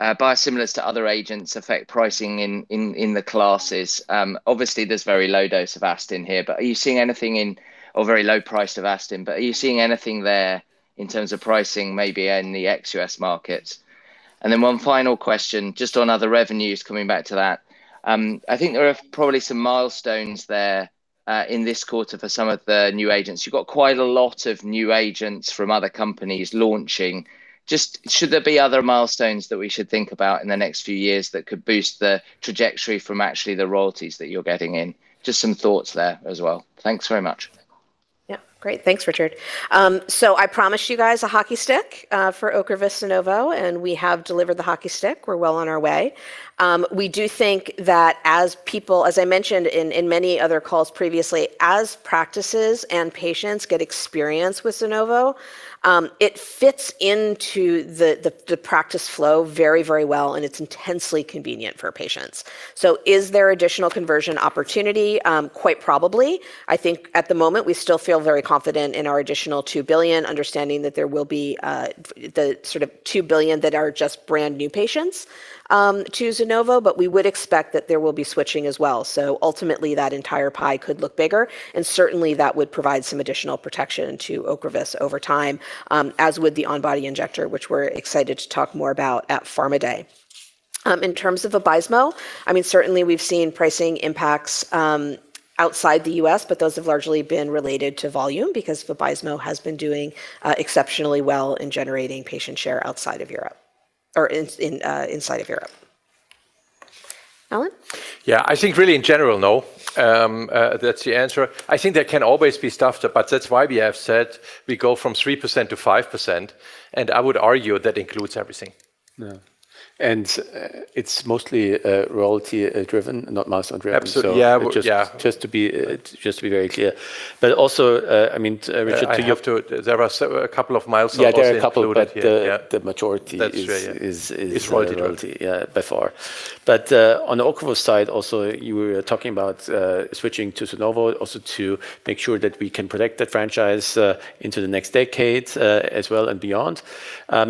biosimilars to other agents affect pricing in the classes. Obviously, there's very low dose of Avastin here, or very low price of Avastin, but are you seeing anything there in terms of pricing, maybe in the ex-U.S. markets? One final question, just on other revenues, coming back to that. I think there are probably some milestones there in this quarter for some of the new agents. You've got quite a lot of new agents from other companies launching. Should there be other milestones that we should think about in the next few years that could boost the trajectory from actually the royalties that you're getting in? Just some thoughts there as well. Thanks very much.
Great. Thanks, Richard. I promised you guys a hockey stick for OCREVUS ZUNOVO, We have delivered the hockey stick. We're well on our way. We do think that as I mentioned in many other calls previously, as practices and patients get experience with ZUNOVO, it fits into the practice flow very well, and it's intensely convenient for patients. Is there additional conversion opportunity? Quite probably. I think at the moment, we still feel very confident in our additional 2 billion, understanding that there will be the sort of 2 billion that are just brand new patients to ZUNOVO, but we would expect that there will be switching as well. Ultimately, that entire pie could look bigger, and certainly that would provide some additional protection to OCREVUS over time, as would the on-body injector, which we're excited to talk more about at Pharma Day. In terms of Vabysmo, certainly we've seen pricing impacts outside the U.S., Those have largely been related to volume because Vabysmo has been doing exceptionally well in generating patient share inside of Europe. Alan?
I think really in general, no. That's the answer. I think there can always be stuff, That's why we have said we go from 3%-5%, I would argue that includes everything.
Yeah.
It's mostly royalty-driven, not milestone-driven.
Absolutely. Yeah.
Just to be very clear. Also, Richard, to you There are a couple of milestones also included here.
Yeah.
That majority.
That's true.
Is royalty, by far. On the OCREVUS side also, you were talking about switching to OCREVUS ZUNOVO also to make sure that we can protect that franchise into the next decade as well and beyond.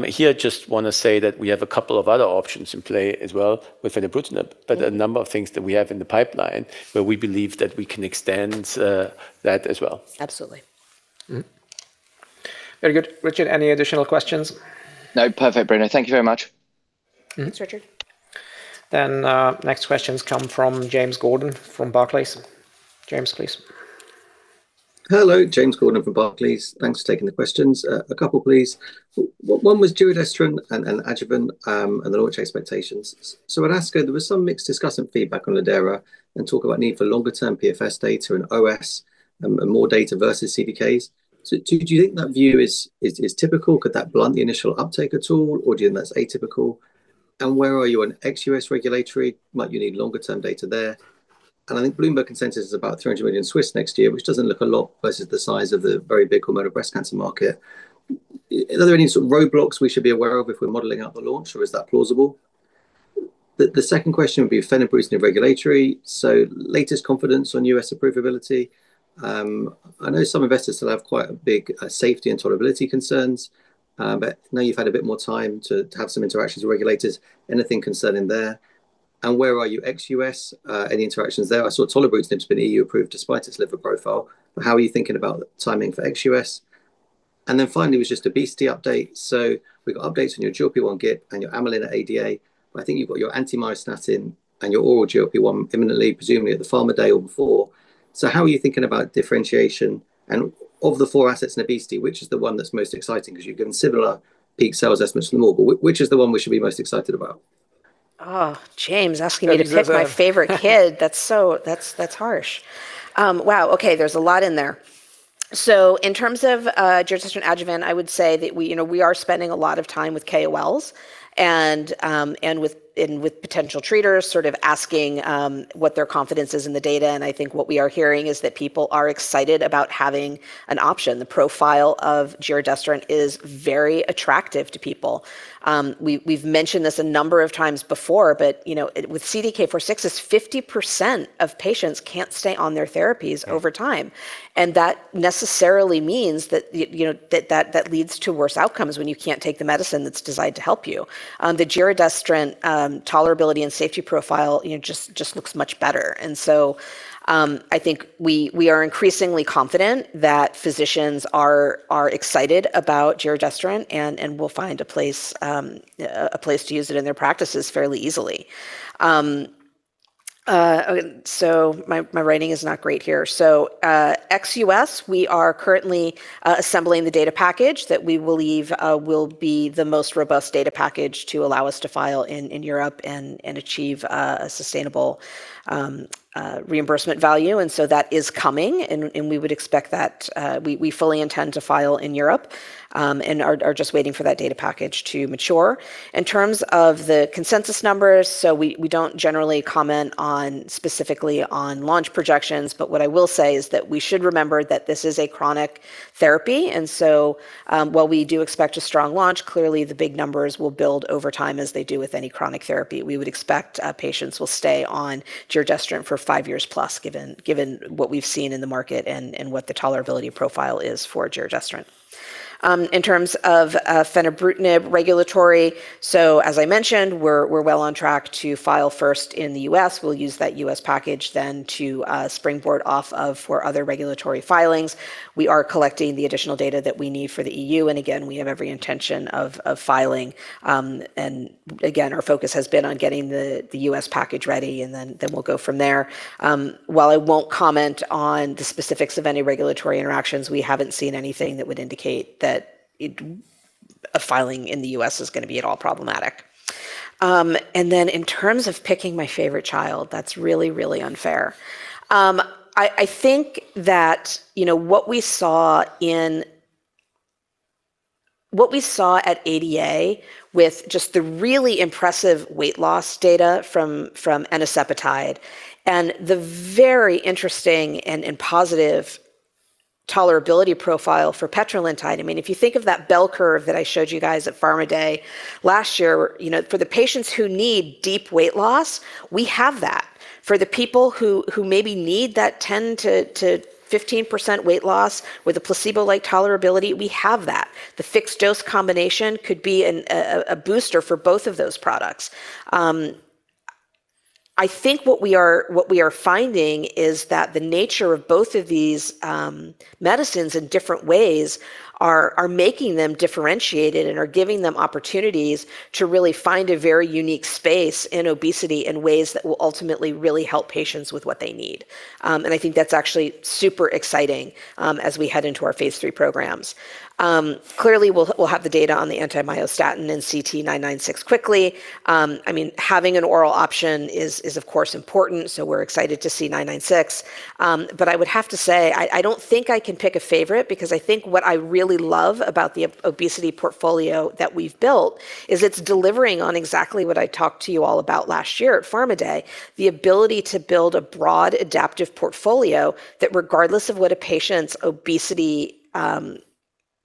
Here, I just want to say that we have a couple of other options in play as well with fenebrutinib, but a number of things that we have in the pipeline where we believe that we can extend that as well.
Absolutely.
Very good. Richard, any additional questions?
No. Perfect, Bruno. Thank you very much.
Thanks, Richard.
Next questions come from James Gordon from Barclays. James, please.
Hello. James Gordon from Barclays. Thanks for taking the questions. A couple, please. One was giredestrant and adjuvant, and the launch expectations. At ASCO, there was some mixed discussant feedback on lidERA and talk about need for longer-term PFS data and OS and more data versus CDK4/6s. Do you think that view is typical? Could that blunt the initial uptake at all, or do you think that's atypical? Where are you on ex-U.S. regulatory? Might you need longer-term data there? I think Bloomberg consensus is about 300 million next year, which doesn't look a lot versus the size of the very big hormonal breast cancer market. Are there any sort of roadblocks we should be aware of if we're modeling out the launch, or is that plausible? The second question would be fenebrutinib regulatory. Latest confidence on U.S. approvability. I know some investors still have quite big safety and tolerability concerns. Now you've had a bit more time to have some interactions with regulators. Anything concerning there? Where are you ex-U.S.? Any interactions there? I saw fenebrutinib's been EU-approved despite its liver profile. How are you thinking about timing for ex-U.S.? Finally, it was just obesity update. We've got updates on your GLP-1/GIP and your amylin at ADA. I think you've got your antimyocin and your oral GLP-1 imminently, presumably at the Pharma Day or before. How are you thinking about differentiation? Of the four assets in obesity, which is the one that's most exciting, because you've given similar peak sales estimates for them all. Which is the one we should be most excited about?
James asking me to pick my favorite kid. That's harsh. Okay. There's a lot in there. In terms of giredestrant adjuvant, I would say that we are spending a lot of time with KOLs and with potential treaters, sort of asking what their confidence is in the data. I think what we are hearing is that people are excited about having an option. The profile of giredestrant is very attractive to people. We've mentioned this a number of times before. With CDK4/6, 50% of patients can't stay on their therapies over time. That necessarily means that leads to worse outcomes when you can't take the medicine that's designed to help you. The giredestrant tolerability and safety profile just looks much better. I think we are increasingly confident that physicians are excited about giredestrant and will find a place to use it in their practices fairly easily. My writing is not great here. Ex-U.S., we are currently assembling the data package that we believe will be the most robust data package to allow us to file in Europe and achieve a sustainable reimbursement value. That is coming, and we fully intend to file in Europe, and are just waiting for that data package to mature. In terms of the consensus numbers, we don't generally comment specifically on launch projections. What I will say is that we should remember that this is a chronic therapy. While we do expect a strong launch, clearly the big numbers will build over time as they do with any chronic therapy. We would expect patients will stay on giredestrant for five years plus, given what we've seen in the market and what the tolerability profile is for giredestrant. In terms of fenebrutinib regulatory, as I mentioned, we're well on track to file first in the U.S. We'll use that U.S. package then to springboard off of for other regulatory filings. We are collecting the additional data that we need for the EU, and again, we have every intention of filing. Again, our focus has been on getting the U.S. package ready, and then we'll go from there. While I won't comment on the specifics of any regulatory interactions, we haven't seen anything that would indicate that a filing in the U.S. is going to be at all problematic. In terms of picking my favorite child, that's really unfair. I think that what we saw at ADA with just the really impressive weight loss data from enicepatide and the very interesting and positive tolerability profile for petrelintide, if you think of that bell curve that I showed you guys at Pharma Day last year, for the patients who need deep weight loss, we have that. For the people who maybe need that 10%-15% weight loss with a placebo-like tolerability, we have that. The fixed-dose combination could be a booster for both of those products. I think what we are finding is that the nature of both of these medicines in different ways are making them differentiated and are giving them opportunities to really find a very unique space in obesity in ways that will ultimately really help patients with what they need. I think that's actually super exciting as we head into our phase III programs. Clearly, we'll have the data on the anti-myostatin in CT-996 quickly. Having an oral option is of course important, so we're excited to see CT-996. I would have to say, I don't think I can pick a favorite, because I think what I really love about the obesity portfolio that we've built is it's delivering on exactly what I talked to you all about last year at Pharma Day, the ability to build a broad adaptive portfolio that regardless of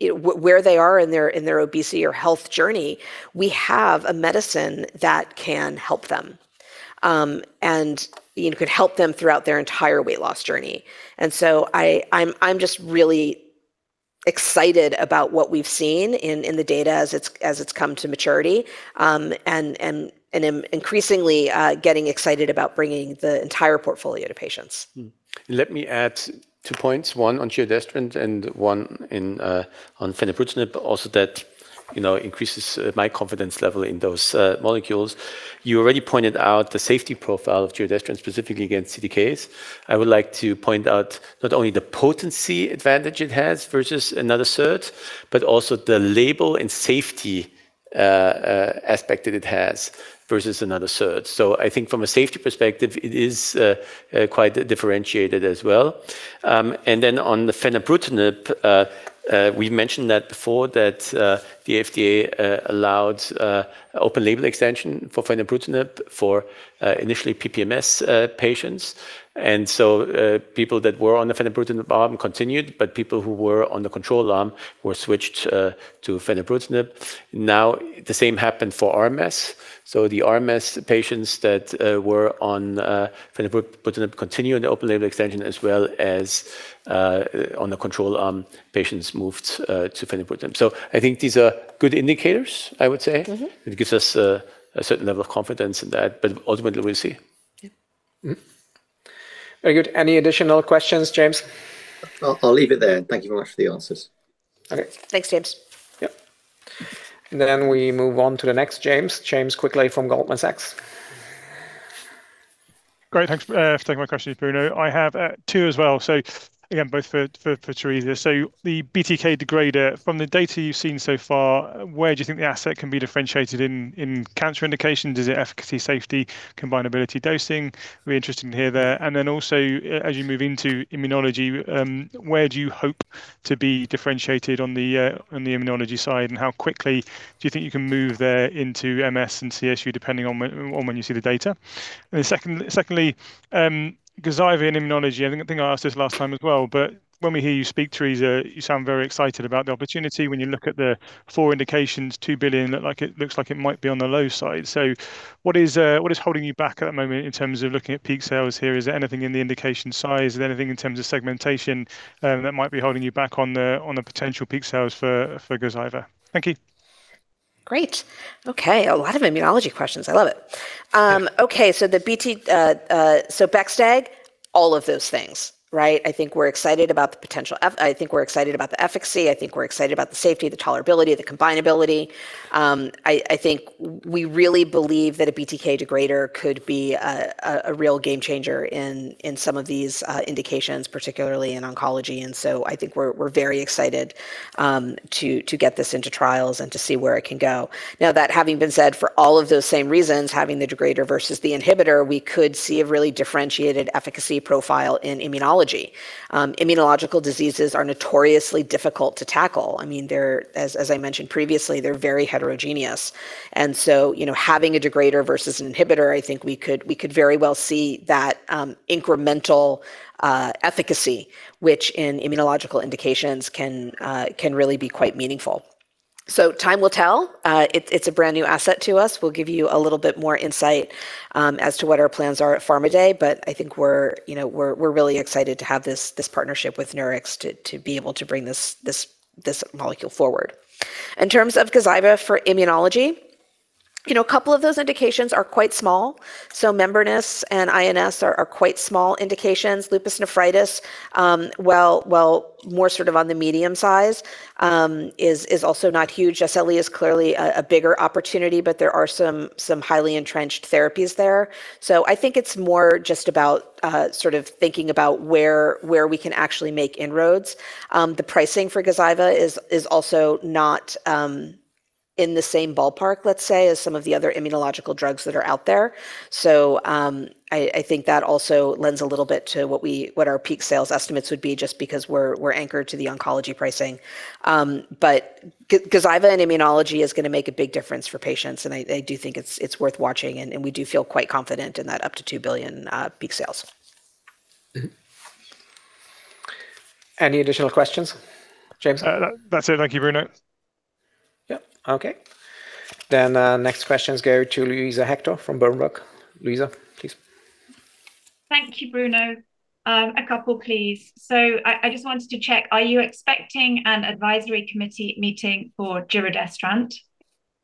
where they are in their obesity or health journey, we have a medicine that can help them. Could help them throughout their entire weight loss journey. I'm just really excited about what we've seen in the data as it's come to maturity. I'm increasingly getting excited about bringing the entire portfolio to patients.
Let me add to point one. One on giredestrant and one on fenebrutinib, also that increases my confidence level in those molecules. You already pointed out the safety profile of giredestrant, specifically against CDKs. I would like to point out not only the potency advantage it has versus another SERD, but also the label and safety aspect that it has versus another SERD. I think from a safety perspective, it is quite differentiated as well. On the fenebrutinib, we mentioned that before that the FDA allowed open-label extension for fenebrutinib for initially PPMS patients. People that were on the fenebrutinib arm continued, but people who were on the control arm were switched to fenebrutinib. The same happened for RMS. The RMS patients that were on fenebrutinib continue on the open-label extension as well as on the control arm patients moved to fenebrutinib. I think these are good indicators, I would say. It gives us a certain level of confidence in that, but ultimately we'll see.
Yeah.
Very good. Any additional questions, James?
I'll leave it there. Thank you very much for the answers.
Okay.
Thanks, James.
Yep. We move on to the next James. James Quigley from Goldman Sachs.
Great. Thanks for taking my questions, Bruno. I have two as well. Again, both for Teresa. The BTK degrader, from the data you've seen so far, where do you think the asset can be differentiated in cancer indications? Is it efficacy, safety, combinability, dosing? Be interesting to hear there. As you move into immunology, where do you hope to be differentiated on the immunology side, and how quickly do you think you can move there into MS and CSU, depending on when you see the data? Secondly, Gazyva in immunology. I think I asked this last time as well, when we hear you speak, Teresa, you sound very excited about the opportunity. When you look at the four indications, 2 billion looks like it might be on the low side. What is holding you back at the moment in terms of looking at peak sales here? Is there anything in the indication size? Is there anything in terms of segmentation that might be holding you back on the potential peak sales for Gazyva? Thank you.
Great. Okay. A lot of immunology questions. I love it.
Yeah.
Okay, bexobrutideg, all of those things, right? I think we're excited about the potential. I think we're excited about the efficacy. I think we're excited about the safety, the tolerability, the combinability. I think we really believe that a BTK degrader could be a real game changer in some of these indications, particularly in oncology. I think we're very excited to get this into trials and to see where it can go. Now that having been said, for all of those same reasons, having the degrader versus the inhibitor, we could see a really differentiated efficacy profile in immunology. Immunological diseases are notoriously difficult to tackle. As I mentioned previously, they're very heterogeneous. Having a degrader versus an inhibitor, I think we could very well see that incremental efficacy, which in immunological indications can really be quite meaningful. Time will tell. It's a brand new asset to us. We'll give you a little bit more insight as to what our plans are at Pharma Day. I think we're really excited to have this partnership with Nurix to be able to bring this molecule forward. In terms of Gazyva for immunology, a couple of those indications are quite small. Membranous and INS are quite small indications. Lupus nephritis, while more sort of on the medium size, is also not huge. SLE is clearly a bigger opportunity, but there are some highly entrenched therapies there. I think it's more just about sort of thinking about where we can actually make inroads. The pricing for Gazyva is also not in the same ballpark, let's say, as some of the other immunological drugs that are out there. I think that also lends a little bit to what our peak sales estimates would be, just because we're anchored to the oncology pricing. Gazyva and immunology is going to make a big difference for patients, and I do think it's worth watching, and we do feel quite confident in that up to 2 billion peak sales.
Any additional questions? James?
That's it. Thank you, Bruno.
Yep. Okay. Next questions go to Luisa Hector from Berenberg. Luisa, please.
Thank you, Bruno. A couple, please. I just wanted to check, are you expecting an advisory committee meeting for giredestrant?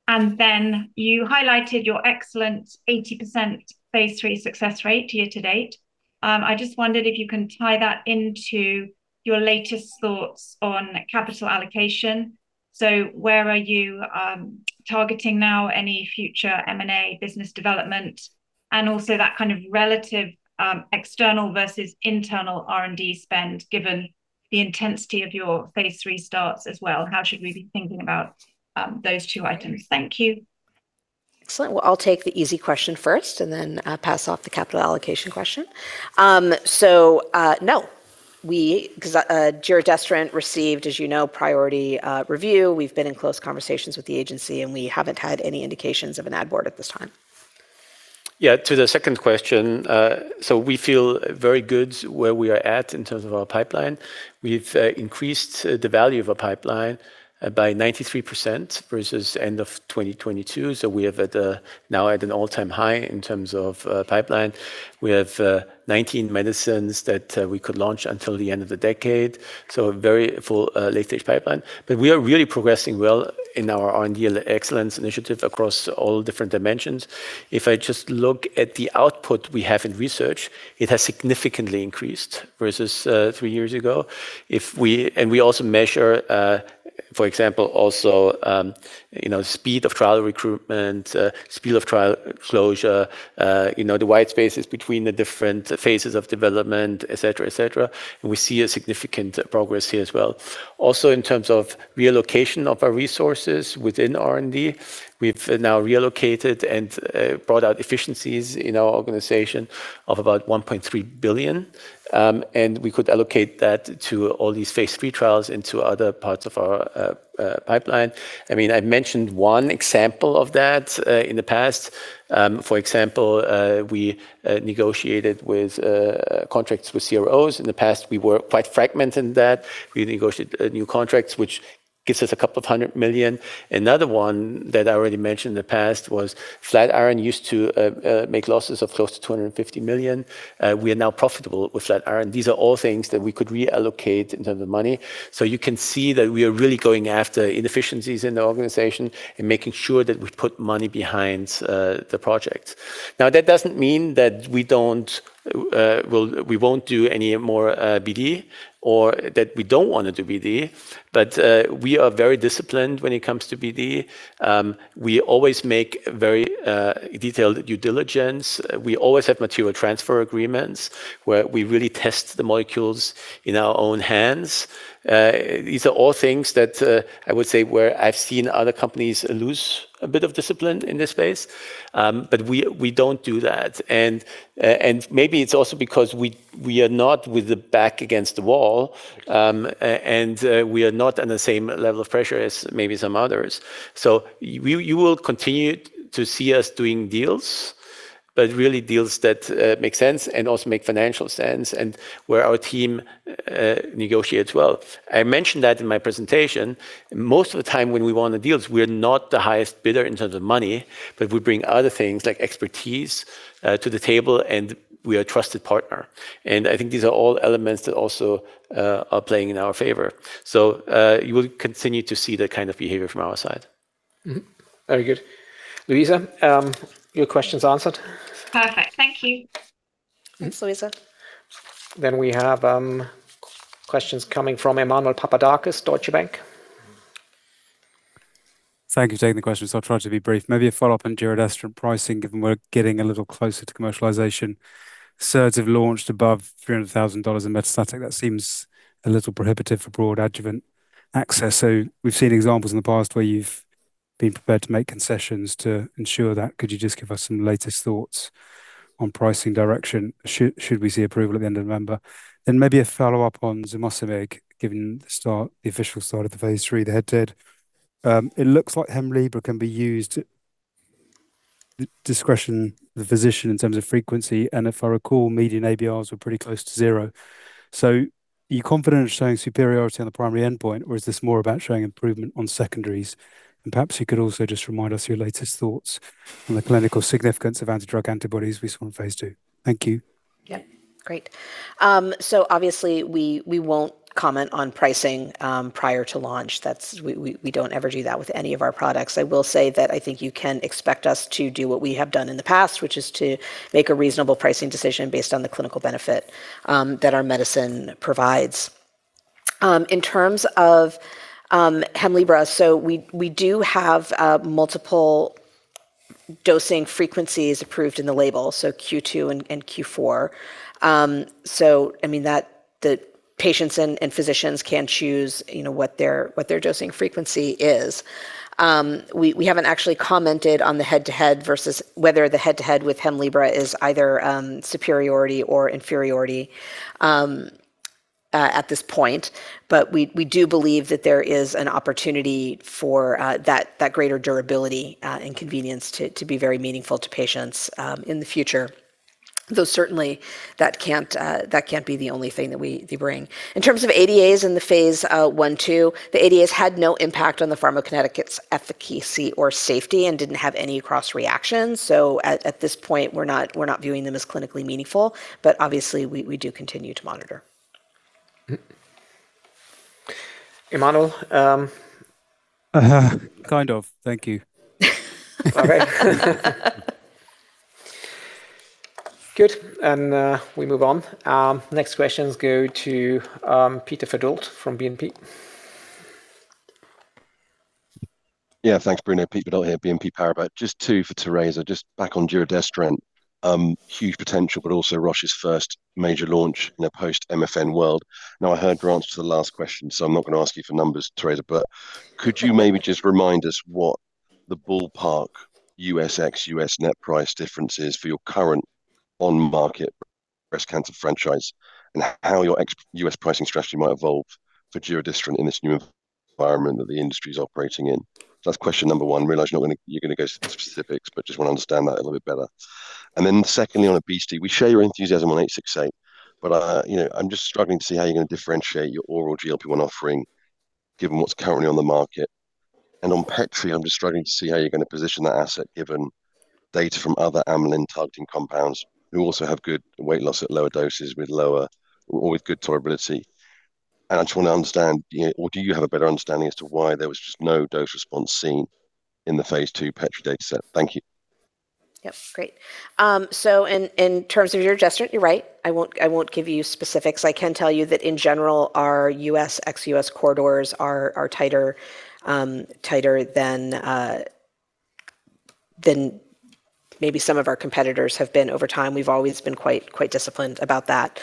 You highlighted your excellent 80% phase III success rate year to date. I just wondered if you can tie that into your latest thoughts on capital allocation. Where are you targeting now any future M&A business development and also that kind of relative external versus internal R&D spend given the intensity of your phase III starts as well? How should we be thinking about those two items? Thank you.
Excellent. Well, I'll take the easy question first and pass off the capital allocation question. No. Because giredestrant received, as you know, priority review. We've been in close conversations with the agency, and we haven't had any indications of an ad board at this time.
To the second question. We feel very good where we are at in terms of our pipeline. We've increased the value of our pipeline by 93% versus end of 2022. We are now at an all-time high in terms of pipeline. We have 19 medicines that we could launch until the end of the decade. A very full late-stage pipeline. We are really progressing well in our R&D excellence initiative across all different dimensions. If I just look at the output we have in research, it has significantly increased versus three years ago. We also measure, for example, speed of trial recruitment, speed of trial closure, the white spaces between the different phases of development, et cetera. We see a significant progress here as well. Also, in terms of reallocation of our resources within R&D, we've now relocated and brought out efficiencies in our organization of about 1.3 billion. We could allocate that to all these phase III trials into other parts of our pipeline. I mentioned one example of that in the past. For example, we negotiated contracts with CROs. In the past, we were quite fragmented in that. We negotiated new contracts, which gives us CHF a couple of hundred million. Another one that I already mentioned in the past was Flatiron used to make losses of close to 250 million. We are now profitable with Flatiron. These are all things that we could reallocate in terms of money. You can see that we are really going after inefficiencies in the organization and making sure that we put money behind the projects. Now, that doesn't mean that we won't do any more BD or that we don't want to do BD, we are very disciplined when it comes to BD. We always make very detailed due diligence. We always have material transfer agreements where we really test the molecules in our own hands. These are all things that I would say where I've seen other companies lose a bit of discipline in this space, but we don't do that. Maybe it's also because we are not with the back against the wall, and we are not at the same level of pressure as maybe some others. You will continue to see us doing deals, really deals that make sense and also make financial sense and where our team negotiates well. I mentioned that in my presentation. Most of the time when we won the deals, we're not the highest bidder in terms of money, we bring other things like expertise to the table, we are a trusted partner. I think these are all elements that also are playing in our favor. You will continue to see that kind of behavior from our side.
Very good. Luisa, your questions answered?
Perfect. Thank you.
Thanks, Luisa. We have questions coming from Emmanuel Papadakis, Deutsche Bank.
Thank you for taking the question. I'll try to be brief. Maybe a follow-up on giredestrant pricing, given we're getting a little closer to commercialization. SERDs have launched above CHF 300,000 in metastatic. That seems a little prohibitive for broad adjuvant access. We've seen examples in the past where you've been prepared to make concessions to ensure that. Could you just give us some latest thoughts on pricing direction should we see approval at the end of November? Maybe a follow-up on NXT007, given the official start of the phase III, the head-to-head. It looks like HEMLIBRA can be used at the discretion of the physician in terms of frequency, and if I recall, median ABRs were pretty close to zero. Are you confident in showing superiority on the primary endpoint, or is this more about showing improvement on secondaries? Perhaps you could also just remind us your latest thoughts on the clinical significance of antidrug antibodies we saw in phase II. Thank you.
Yeah. Great. Obviously we won't comment on pricing prior to launch. We don't ever do that with any of our products. I will say that I think you can expect us to do what we have done in the past, which is to make a reasonable pricing decision based on the clinical benefit that our medicine provides. In terms of HEMLIBRA, we do have multiple dosing frequencies approved in the label, Q2 and Q4. The patients and physicians can choose what their dosing frequency is. We haven't actually commented on the head-to-head versus whether the head-to-head with HEMLIBRA is either superiority or inferiority at this point. We do believe that there is an opportunity for that greater durability and convenience to be very meaningful to patients in the future. Though certainly that can't be the only thing that we bring. In terms of ADAs in the phase I, II, the ADAs had no impact on the pharmacokinetics efficacy or safety and didn't have any cross-reactions. At this point, we're not viewing them as clinically meaningful, obviously we do continue to monitor.
Emmanuel?
Kind of. Thank you.
Good. We move on. Next questions go to Peter Verdult from BNP.
Thanks, Bruno. Peter Verdult here, BNP Paribas. Just two for Teresa, just back on giredestrant. Huge potential, but also Roche's first major launch in a post-MFN world. I heard your answer to the last question, so I'm not going to ask you for numbers, Teresa, but could you maybe just remind us what the ballpark US/ex-US net price difference is for your current on-market breast cancer franchise, and how your ex-US pricing strategy might evolve for giredestrant in this new environment that the industry's operating in? That's question number 1. Realize you're not going to go into the specifics, but just want to understand that a little bit better. Secondly, on obesity, we share your enthusiasm on CT-868, but I'm just struggling to see how you're going to differentiate your oral GLP-1 offering given what's currently on the market. On petrelintide, I'm just struggling to see how you're going to position that asset given data from other amylin-targeting compounds who also have good weight loss at lower doses or with good tolerability. I just want to understand, or do you have a better understanding as to why there was just no dose response seen in the phase II petrelintide data set? Thank you.
Great. In terms of giredestrant, you're right. I won't give you specifics. I can tell you that in general, our US, ex-US corridors are tighter than maybe some of our competitors have been over time. We've always been quite disciplined about that.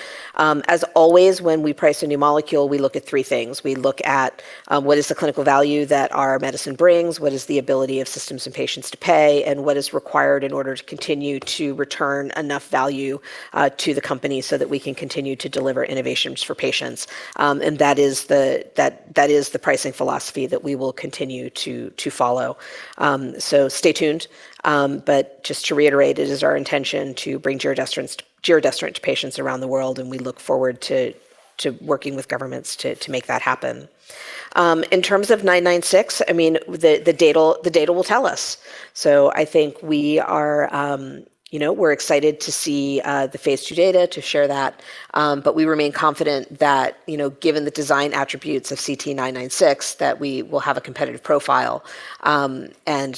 As always, when we price a new molecule, we look at three things. We look at what is the clinical value that our medicine brings, what is the ability of systems and patients to pay, and what is required in order to continue to return enough value to the company so that we can continue to deliver innovations for patients. That is the pricing philosophy that we will continue to follow. Stay tuned. Just to reiterate, it is our intention to bring giredestrant to patients around the world, and we look forward to working with governments to make that happen. In terms of CT-996, the data will tell us. I think we're excited to see the phase II data, to share that. We remain confident that given the design attributes of CT-996, that we will have a competitive profile, and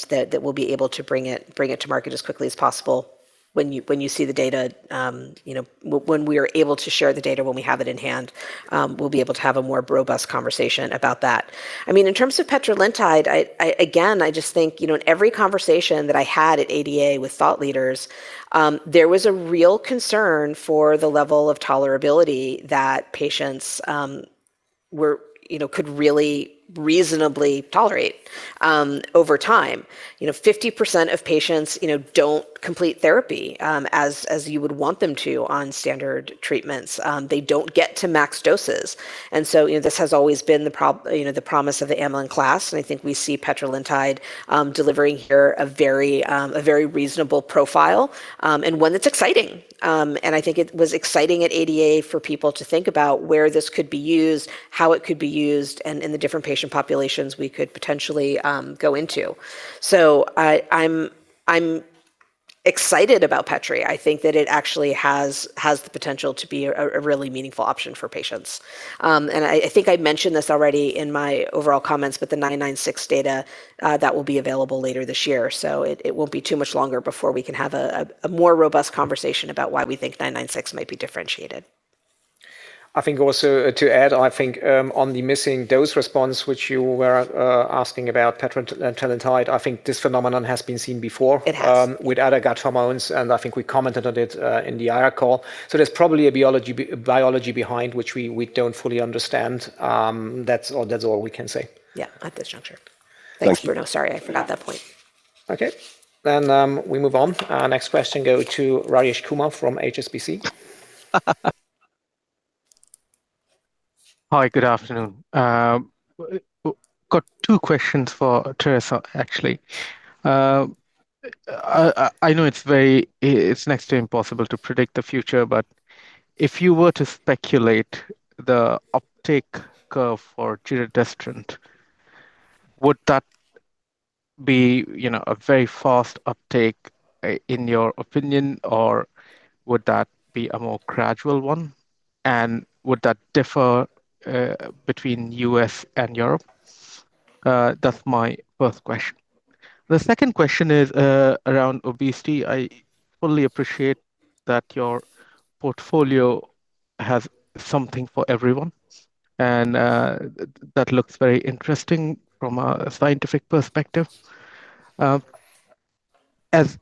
that we'll be able to bring it to market as quickly as possible. When you see the data, when we are able to share the data, when we have it in hand, we'll be able to have a more robust conversation about that. In terms of petrelintide, again, I just think in every conversation that I had at ADA with thought leaders, there was a real concern for the level of tolerability that patients could really reasonably tolerate over time. 50% of patients don't complete therapy as you would want them to on standard treatments. They don't get to max doses. This has always been the promise of the amylin class, and I think we see petrelintide delivering here a very reasonable profile, and one that's exciting. I think it was exciting at ADA for people to think about where this could be used, how it could be used, and in the different patient populations we could potentially go into. I'm excited about petrelintide. I think that it actually has the potential to be a really meaningful option for patients. I think I mentioned this already in my overall comments, but the CT-996 data, that will be available later this year. It won't be too much longer before we can have a more robust conversation about why we think CT-996 might be differentiated.
I think also to add, I think on the missing dose response, which you were asking about petrelintide, I think this phenomenon has been seen before.
It has
With other gut hormones, I think we commented on it in the IR call. There's probably a biology behind which we don't fully understand. That's all we can say.
Yeah. At this juncture.
Thank you.
Thanks, Bruno. Sorry, I forgot that point.
Okay. We move on. Next question go to Rajesh Kumar from HSBC.
Hi, good afternoon. Got two questions for Teresa, actually. I know it's next to impossible to predict the future, but if you were to speculate the uptake curve for giredestrant, would that be a very fast uptake in your opinion, or would that be a more gradual one? Would that differ between U.S. and Europe? That's my first question. The second question is around obesity. I fully appreciate that your portfolio has something for everyone, and that looks very interesting from a scientific perspective. As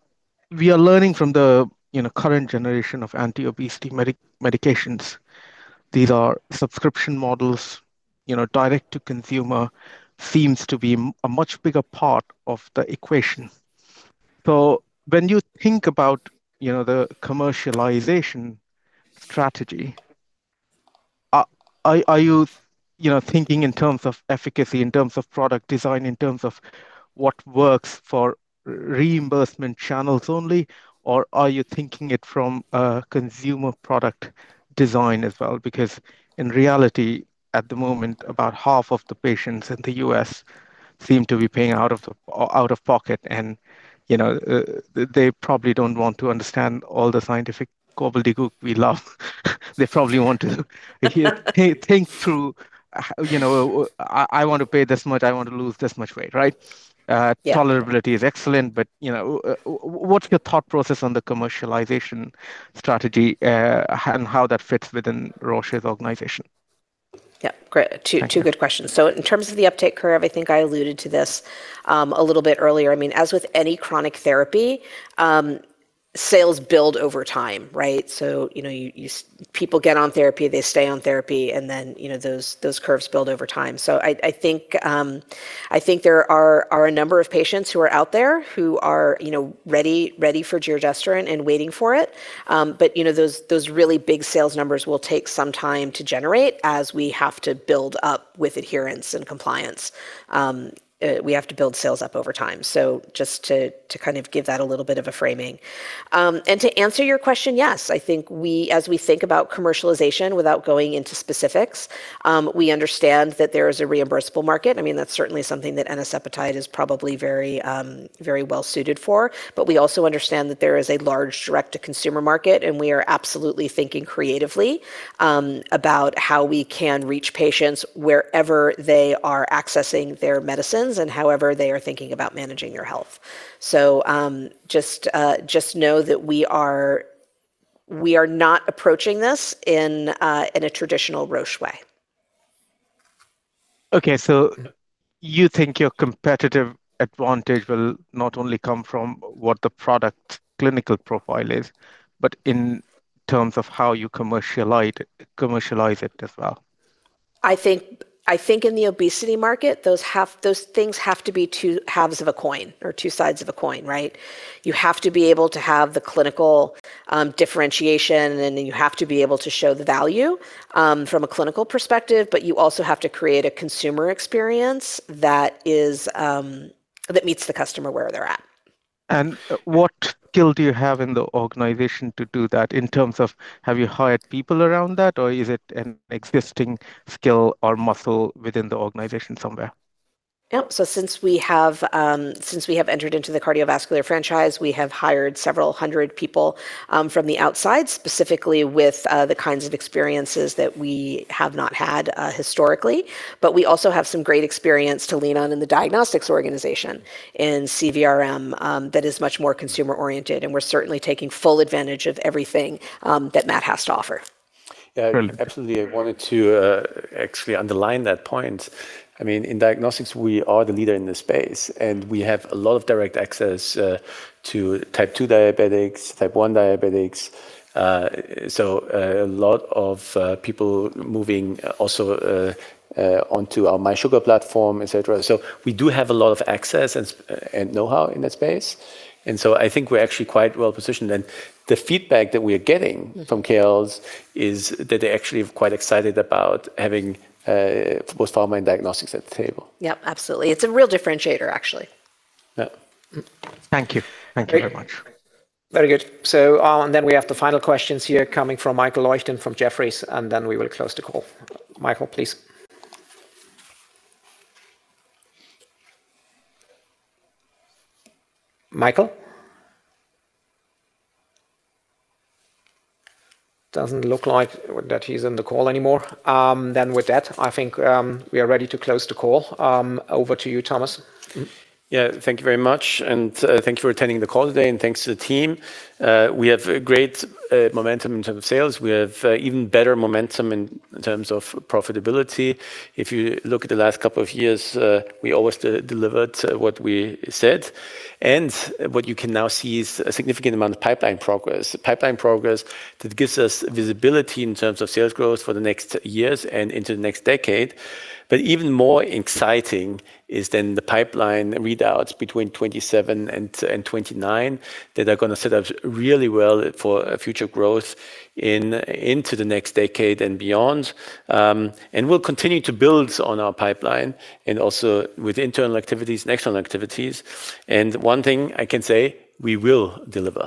we are learning from the current generation of anti-obesity medications, these are subscription models, direct to consumer seems to be a much bigger part of the equation. When you think about the commercialization strategy, are you thinking in terms of efficacy, in terms of product design, in terms of what works for reimbursement channels only, or are you thinking it from a consumer product design as well? Because in reality, at the moment, about half of the patients in the U.S. seem to be paying out of pocket, and they probably don't want to understand all the scientific gobbledygook we love. They probably want to think through, I want to pay this much, I want to lose this much weight, right?
Yeah.
Tolerability is excellent, what's your thought process on the commercialization strategy, and how that fits within Roche's organization?
Yeah. Great. Two good questions. In terms of the uptake curve, I think I alluded to this a little bit earlier. As with any chronic therapy, sales build over time, right? People get on therapy, they stay on therapy, those curves build over time. I think there are a number of patients who are out there who are ready for giredestrant and waiting for it. Those really big sales numbers will take some time to generate, as we have to build up with adherence and compliance. We have to build sales up over time. Just to give that a little bit of a framing. To answer your question, yes. I think as we think about commercialization, without going into specifics, we understand that there is a reimbursable market. That's certainly something that enicepatide is probably very well-suited for. We also understand that there is a large direct-to-consumer market, we are absolutely thinking creatively about how we can reach patients wherever they are accessing their medicines and however they are thinking about managing their health. Just know that we are not approaching this in a traditional Roche way.
Okay. You think your competitive advantage will not only come from what the product clinical profile is, but in terms of how you commercialize it as well.
I think in the obesity market, those things have to be two halves of a coin or two sides of a coin, right? You have to be able to have the clinical differentiation, and then you have to be able to show the value from a clinical perspective, but you also have to create a consumer experience that meets the customer where they're at.
What skill do you have in the organization to do that, in terms of have you hired people around that, or is it an existing skill or muscle within the organization somewhere?
Yep. Since we have entered into the cardiovascular franchise, we have hired several hundred people from the outside, specifically with the kinds of experiences that we have not had historically. We also have some great experience to lean on in the Diagnostics organization, in CVRM, that is much more consumer-oriented, and we're certainly taking full advantage of everything that Matt has to offer.
Great.
Yeah, absolutely. I wanted to actually underline that point. In Diagnostics, we are the leader in this space, and we have a lot of direct access to type 2 diabetics, type 1 diabetics. A lot of people moving also onto our mySugr platform, et cetera. We do have a lot of access and know-how in that space. I think we're actually quite well positioned. The feedback that we are getting from KOLs is that they actually are quite excited about having both Pharma and Diagnostics at the table.
Yep, absolutely. It's a real differentiator, actually.
Yeah.
Thank you. Thank you very much.
Very good. We have the final questions here coming from Michael Leuchten from Jefferies, and we will close the call. Michael, please. Michael? Doesn't look like that he's on the call anymore. With that, I think we are ready to close the call. Over to you, Thomas.
Yeah. Thank you very much, and thank you for attending the call today, and thanks to the team. We have great momentum in terms of sales. We have even better momentum in terms of profitability. If you look at the last couple of years, we always delivered what we said. What you can now see is a significant amount of pipeline progress. Pipeline progress that gives us visibility in terms of sales growth for the next years and into the next decade. But even more exciting is the pipeline readouts between 2027 and 2029, that are going to set up really well for future growth into the next decade and beyond. We'll continue to build on our pipeline and also with internal activities and external activities. One thing I can say, we will deliver